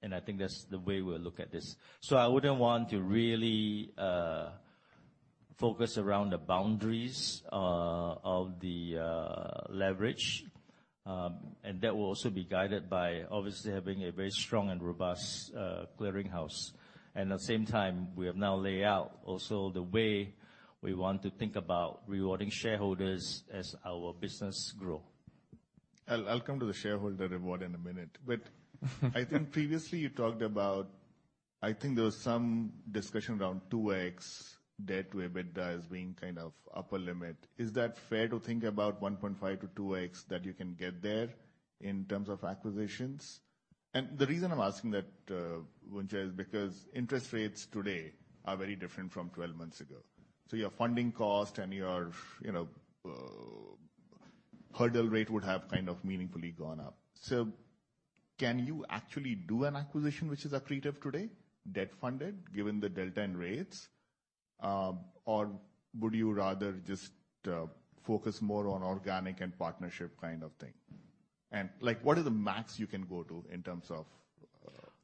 debt-funded. I think that's the way we'll look at this. I wouldn't want to really focus around the boundaries of the leverage. That will also be guided by obviously having a very strong and robust clearinghouse. At the same time, we have now laid out also the way we want to think about rewarding shareholders as our business grow. I'll, I'll come to the shareholder reward in a minute. I think previously you talked about. I think there was some discussion around 2x debt to EBITDA as being kind of upper limit. Is that fair to think about 1.5x-2x, that you can get there in terms of acquisitions? The reason I'm asking that, Boon Chye, is because interest rates today are very different from 12 months ago. Your funding cost and your, you know, hurdle rate would have kind of meaningfully gone up. Can you actually do an acquisition which is accretive today, debt-funded, given the delta in rates? Would you rather just focus more on organic and partnership kind of thing? Like, what is the max you can go to in terms of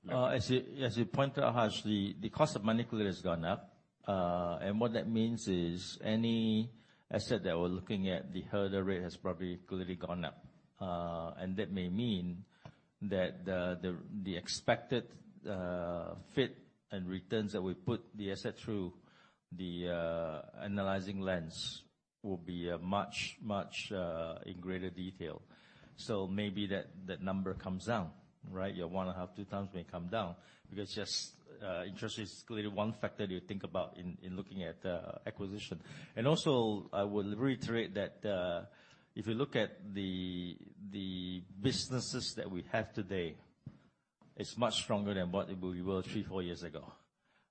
leverage? As you, as you pointed out, Harsh, the, the cost of money clearly has gone up. What that means is, any asset that we're looking at, the hurdle rate has probably clearly gone up. That may mean that the, the, the expected, fit and returns that we put the asset through the, analyzing lens will be a much, much, in greater detail. Maybe that, that number comes down, right? Your 1.5x, 2x may come down, because just, interest is clearly one factor you think about in, in looking at, acquisition. Also, I would reiterate that, if you look at the, the businesses that we have today, it's much stronger than what it would be worth three, four years ago,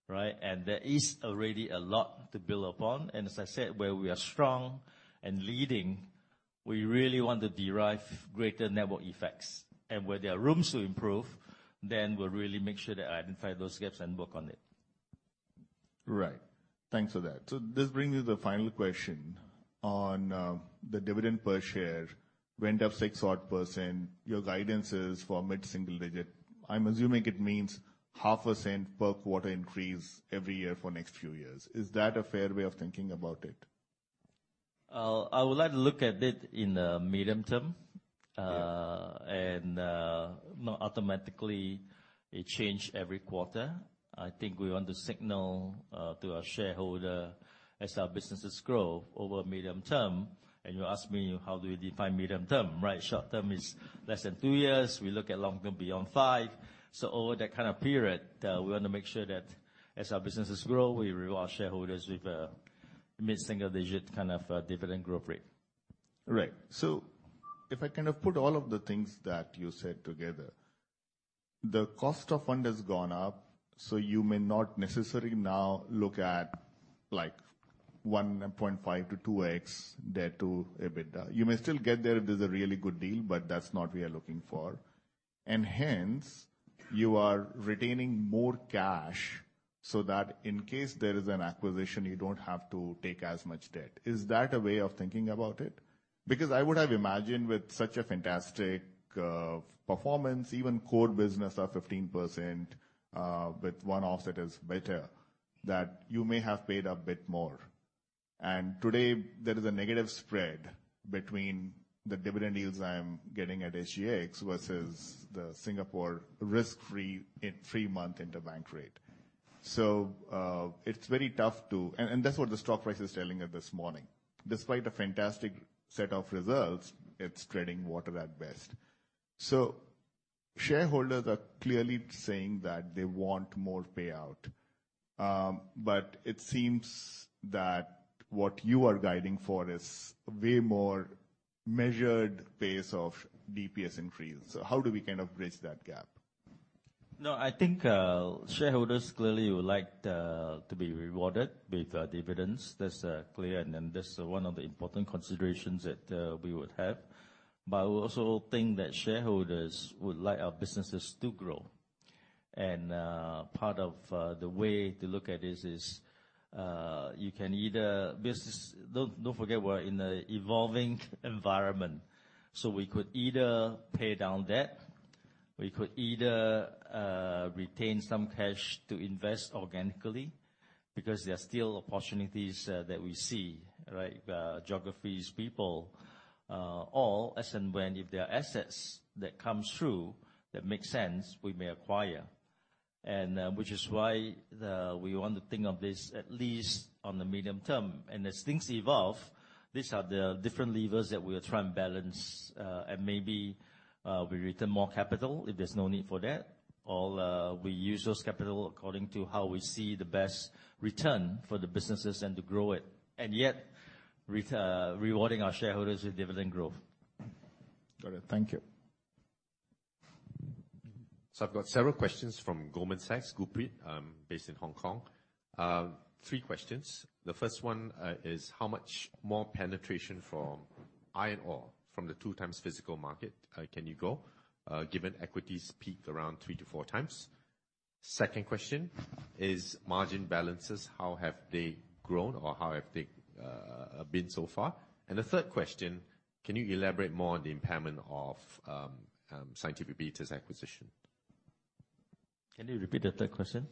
right? There is already a lot to build upon. As I said, where we are strong and leading, we really want to derive greater network effects. Where there are rooms to improve, then we'll really make sure to identify those gaps and work on it. Right. Thanks for that. This brings me to the final question on, the dividend per share, went up 6% odd. Your guidance is for mid-single digit. I'm assuming it means SGD 0.005 per quarter increase every year for next few years. Is that a fair way of thinking about it? I would like to look at it in the medium term. Yeah. Not automatically it change every quarter. I think we want to signal to our shareholder as our businesses grow over medium term. You ask me, how do you define medium term, right? Short term is less than two years. We look at long term beyond five. Over that kind of period, we want to make sure that as our businesses grow, we reward shareholders with mid-single digit, kind of, dividend growth rate. Right. If I kind of put all of the things that you said together, the cost of fund has gone up, so you may not necessarily now look at, like, 1.5x-2x debt to EBITDA. You may still get there if there's a really good deal, but that's not we are looking for. Hence, you are retaining more cash, so that in case there is an acquisition, you don't have to take as much debt. Is that a way of thinking about it? Because I would have imagined with such a fantastic, performance, even core business of 15%, with one offset is better, that you may have paid a bit more. Today, there is a negative spread between the dividend yields I'm getting at SGX versus the Singapore risk-free and three-month interbank rate. It's very tough to...And that's what the stock price is telling you this morning. Despite a fantastic set of results, it's treading water at best. Shareholders are clearly saying that they want more payout, but it seems that what you are guiding for is way more measured pace of DPS increase. How do we kind of bridge that gap? No, I think shareholders clearly would like to be rewarded with dividends. That's clear, and then that's one of the important considerations that we would have. I also think that shareholders would like our businesses to grow. Part of the way to look at this is, you can either business--, don't forget we're in an evolving environment, so we could either pay down debt, we could either retain some cash to invest organically, because there are still opportunities that we see, right? Geographies, people, all, as and when, if there are assets that comes through that makes sense, we may acquire. Which is why we want to think of this at least on the medium term. As things evolve, these are the different levers that we are trying to balance, and maybe, we return more capital if there's no need for debt, or, we use those capital according to how we see the best return for the businesses and to grow it, and yet, rewarding our shareholders with dividend growth. Got it. Thank you. I've got several questions from Goldman Sachs, Gurpreet, based in Hong Kong. Three questions. The first one is: How much more penetration from iron ore from the 2x physical market can you go, given equities peak around 3x-4x? Second question is margin balances, how have they grown or how have they been so far? The third question: Can you elaborate more on the impairment of Scientific Beta's acquisition? Can you repeat the third question?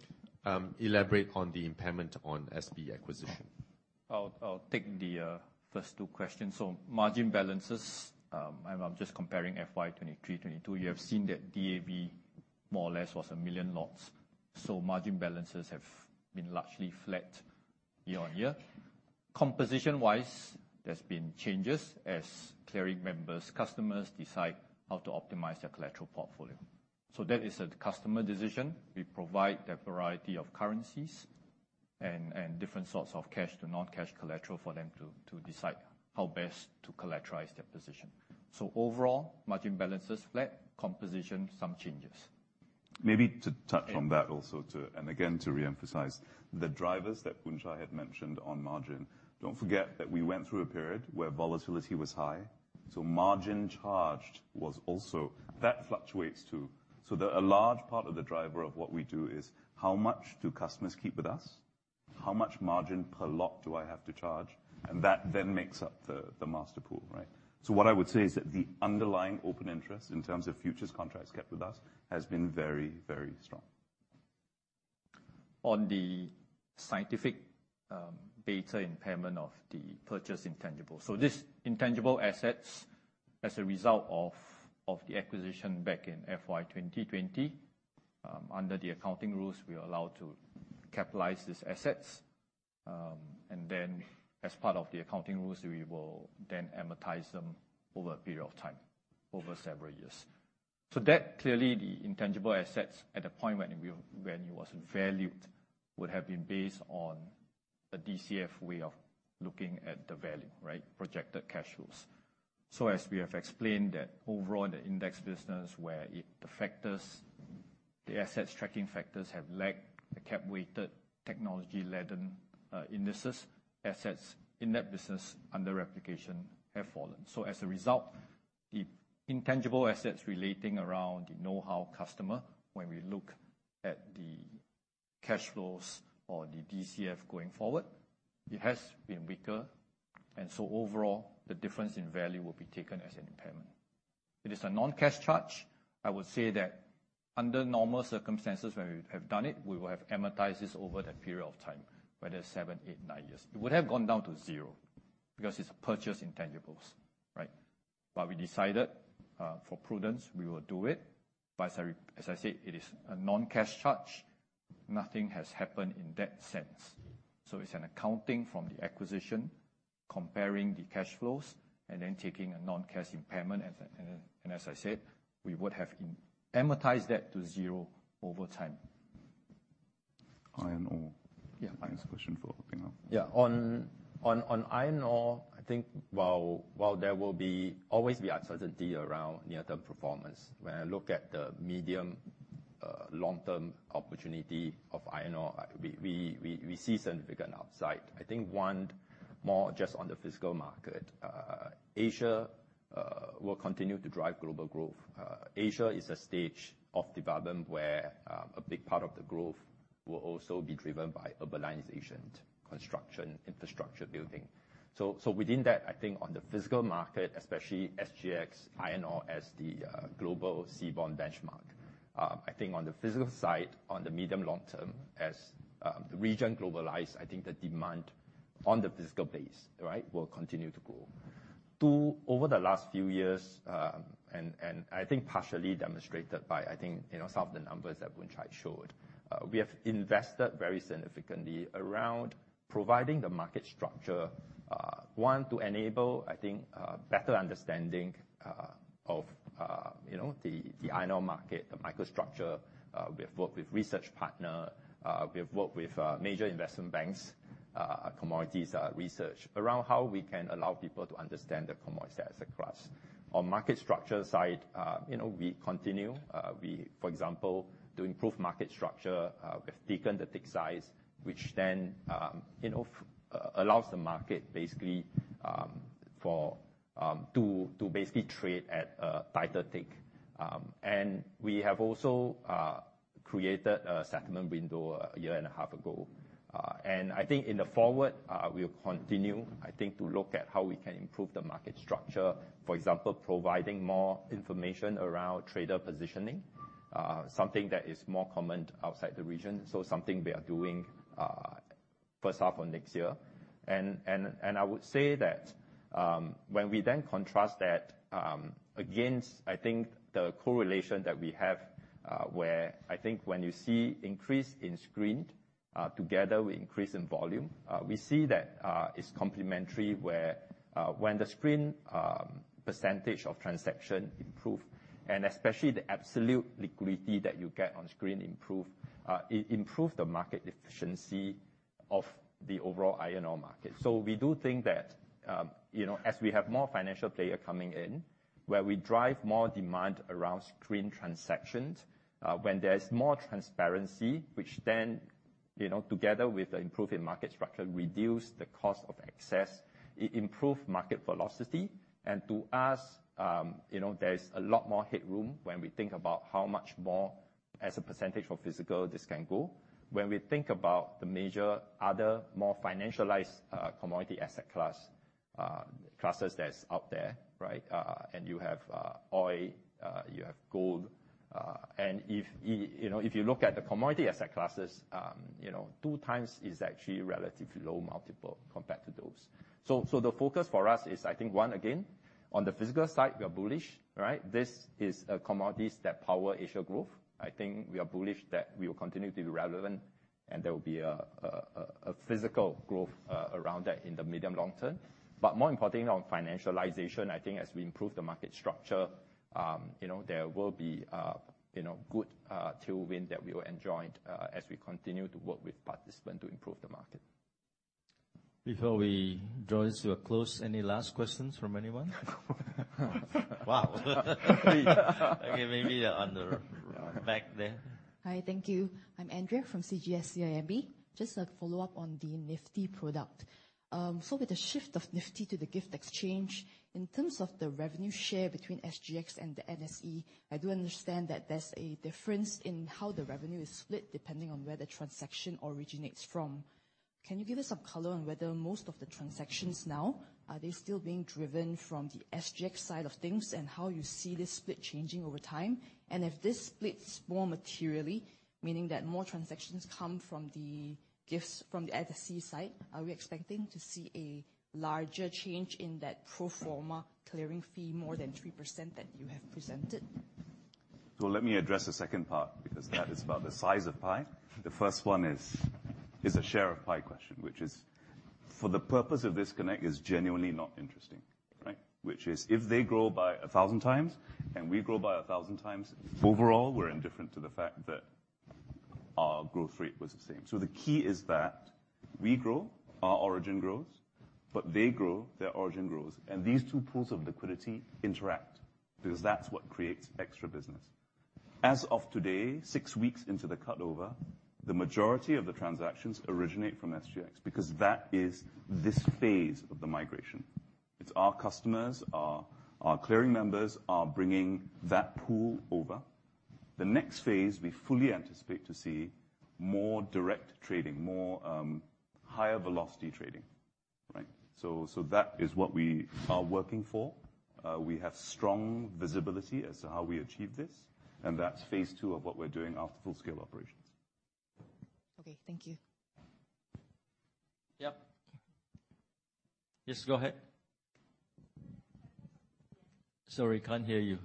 Elaborate on the impairment on SB acquisition. I'll, I'll take the first two questions. Margin balances, I'm just comparing FY 2023, FY 2022, you have seen that DAV more or less was 1 million lots. Margin balances have been largely flat year-on-year. Composition-wise, there's been changes as clearing members, customers decide how to optimize their collateral portfolio. That is a customer decision. We provide a variety of currencies and different sorts of cash to non-cash collateral for them to decide how best to collateralize their position. Overall, margin balance is flat, composition, some changes. Maybe to touch on that also, and again, to reemphasize, the drivers that Loh Boon Chye had mentioned on margin, don't forget that we went through a period where volatility was high, so margin charged was also. That fluctuates, too. So a large part of the driver of what we do is how much do customers keep with us? How much margin per lot do I have to charge? And that then makes up the master pool, right? So what I would say is that the underlying open interest in terms of futures contracts kept with us, has been very, very strong. On the Scientific Beta, beta impairment of the purchased intangible. This intangible assets, as a result of the acquisition back in FY 2020 under the accounting rules, we are allowed to capitalize these assets. Then as part of the accounting rules, we will then amortize them over a period of time, over several years. That, clearly, the intangible assets at the point when we, when it was valued, would have been based on a DCF way of looking at the value, right? Projected cash flows. As we have explained that overall, the index business where it, the factors, the assets tracking factors, have lagged the cap-weighted technology-laden indices, assets in that business under replication have fallen. As a result, the intangible assets relating around the know-how customer, when we look at the cash flows or the DCF going forward, it has been weaker. Overall, the difference in value will be taken as an impairment. It is a non-cash charge. I would say that under normal circumstances, when we have done it, we will have amortized this over the period of time, whether seven, eight, nine years. It would have gone down to zero, because it's purchased intangibles, right? We decided for prudence, we will do it. As I, as I said, it is a non-cash charge. Nothing has happened in that sense. It's an accounting from the acquisition, comparing the cash flows, and then taking a non-cash impairment. As I said, we would have amortized that to zero over time. Iron ore. Yeah. On, on, on iron ore, I think while, while there will be always be uncertainty around near-term performance, when I look at the medium, long-term opportunity of iron ore, we, we, we see significant upside. I think one more just on the physical market, Asia will continue to drive global growth. Asia is a stage of development where a big part of the growth will also be driven by urbanization, construction, infrastructure building. Within that, I think on the physical market, especially SGX, iron ore as the global seaborne benchmark, I think on the physical side, on the medium long term, as the region globalize, I think the demand on the physical base, right, will continue to grow. Two, over the last few years, and, and I think partially demonstrated by, I think, you know, some of the numbers that Boon Chye showed. We have invested very significantly around providing the market structure, one, to enable, I think, a better understanding of, you know, the, the iron ore market, the microstructure. We have worked with research partner, we have worked with major investment banks, commodities, research around how we can allow people to understand the commodity sets across. On market structure side, you know, we continue, we, for example, to improve market structure, we've thickened the tick size, which then, you know, allows the market basically, for, to, to basically trade at a tighter tick. We have also created a settlement window a year and a half ago. I think in the forward, we will continue, I think, to look at how we can improve the market structure. For example, providing more information around trader positioning, something that is more common outside the region, so something we are doing, first half of next year. I would say that, when we then contrast that, against, I think, the correlation that we have, where I think when you see increase in screen, together with increase in volume, we see that, it's complementary, where, when the screen, percentage of transaction improve, and especially the absolute liquidity that you get on screen improve, improve the market efficiency of the overall iron ore market. We do think that, you know, as we have more financial player coming in, where we drive more demand around screen transactions, when there is more transparency, which then, you know, together with the improving market structure, reduce the cost of access, improve market velocity. To us, you know, there is a lot more headroom when we think about how much more as a percentage of physical this can go. When we think about the major other more financialized, commodity asset class, classes that's out there, right? And you have oil, you have gold, and if, you know, if you look at the commodity asset classes, you know, 2x is actually relatively low multiple compared to those. The focus for us is, I think, one, again, on the physical side, we are bullish, right? This is a commodities that power Asia growth. I think we are bullish that we will continue to be relevant, and there will be a physical growth around that in the medium long term. More importantly, on financialization, I think as we improve the market structure, you know, there will be, you know, good tailwind that we will enjoy as we continue to work with participants to improve the market. Before we draw this to a close, any last questions from anyone? Wow! Okay, maybe, on the back there. Hi, thank you. I'm Andrea from CGS-CIMB. Just a follow-up on the Nifty product. With the shift of Nifty to the GIFT Nifty, in terms of the revenue share between SGX and the NSE, I do understand that there's a difference in how the revenue is split, depending on where the transaction originates from. Can you give us some color on whether most of the transactions now, are they still being driven from the SGX side of things, and how you see this split changing over time? If this splits more materially- Meaning that more transactions come from the GIFT from the NSE side. Are we expecting to see a larger change in that pro forma clearing fee more than 3% that you have presented? Let me address the second part, because that is about the size of pie. The first one is, is a share of pie question, which is, for the purpose of this Connect, is genuinely not interesting, right? Which is if they grow by 1,000x and we grow by 1,000x, overall, we're indifferent to the fact that our growth rate was the same. The key is that we grow, our origin grows, but they grow, their origin grows, and these two pools of liquidity interact, because that's what creates extra business. As of today, six weeks into the cutover, the majority of the transactions originate from SGX, because that is this phase of the migration. It's our customers, our clearing members are bringing that pool over. The next phase, we fully anticipate to see more direct trading, more, higher velocity trading, right? That is what we are working for. We have strong visibility as to how we achieve this, and that's phase two of what we're doing after full-scale operations. Okay. Thank you. Yep. Yes, go ahead. Sorry, can't hear you.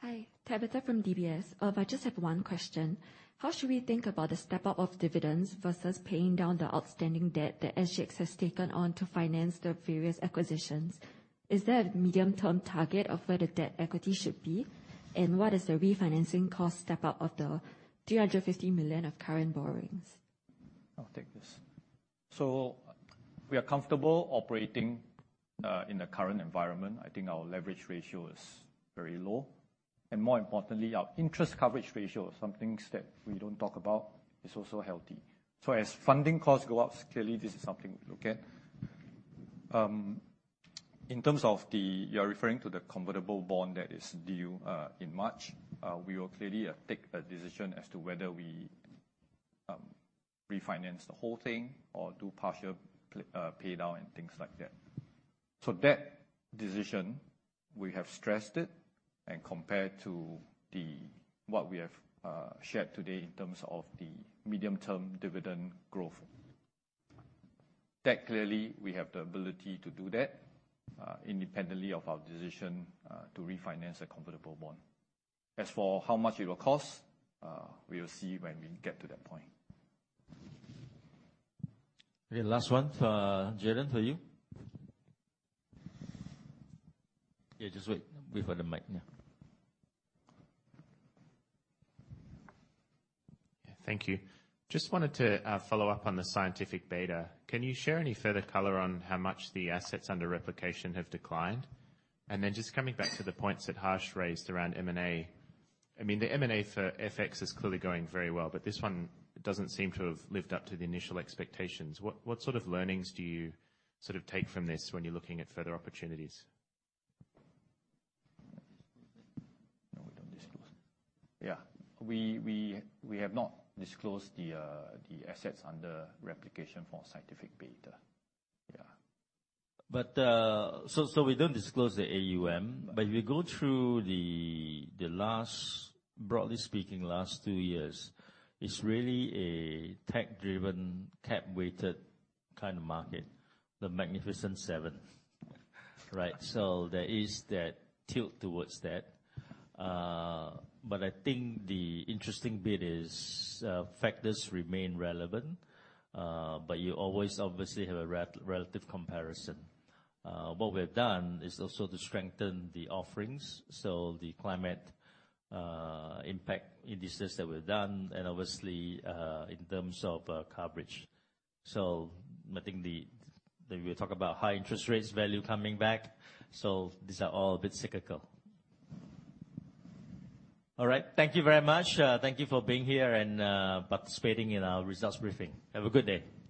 Hi, Tabitha from DBS. I just have one question. How should we think about the step-up of dividends versus paying down the outstanding debt that SGX has taken on to finance the various acquisitions? Is there a medium-term target of where the debt equity should be, and what is the refinancing cost step-up of the 350 million of current borrowings? I'll take this. We are comfortable operating in the current environment. I think our leverage ratio is very low, and more importantly, our interest coverage ratio, some things that we don't talk about, is also healthy. As funding costs go up, clearly this is something we look at. In terms of the you're referring to the convertible bond that is due in March, we will clearly take a decision as to whether we refinance the whole thing or do partial pay down and things like that. That decision, we have stressed it, and compared to the what we have shared today in terms of the medium-term dividend growth, that clearly we have the ability to do that independently of our decision to refinance the convertible bond. As for how much it will cost, we will see when we get to that point. Okay, last one. Jayden, to you. Just wait, wait for the mic, yeah. Thank you. Just wanted to follow up on the Scientific Beta. Can you share any further color on how much the assets under replication have declined? Then just coming back to the points that Harsh raised around M&A. I mean, the M&A for FX is clearly going very well, but this one doesn't seem to have lived up to the initial expectations. What, what sort of learnings do you sort of take from this when you're looking at further opportunities? No, we don't disclose. Yeah, we, we, we have not disclosed the assets under replication for Scientific Beta. Yeah. We don't disclose the AUM, but if you go through the, the last, broadly speaking, last two years, it's really a tech-driven, cap-weighted kind of market, the Magnificent Seven, right? There is that tilt towards that. I think the interesting bit is factors remain relevant, but you always obviously have a relative comparison. What we have done is also to strengthen the offerings, so the climate impact indices that we've done and obviously, in terms of coverage. I think that we talk about high interest rates value coming back, so these are all a bit cyclical. All right. Thank you very much. Thank you for being here and participating in our results briefing. Have a good day.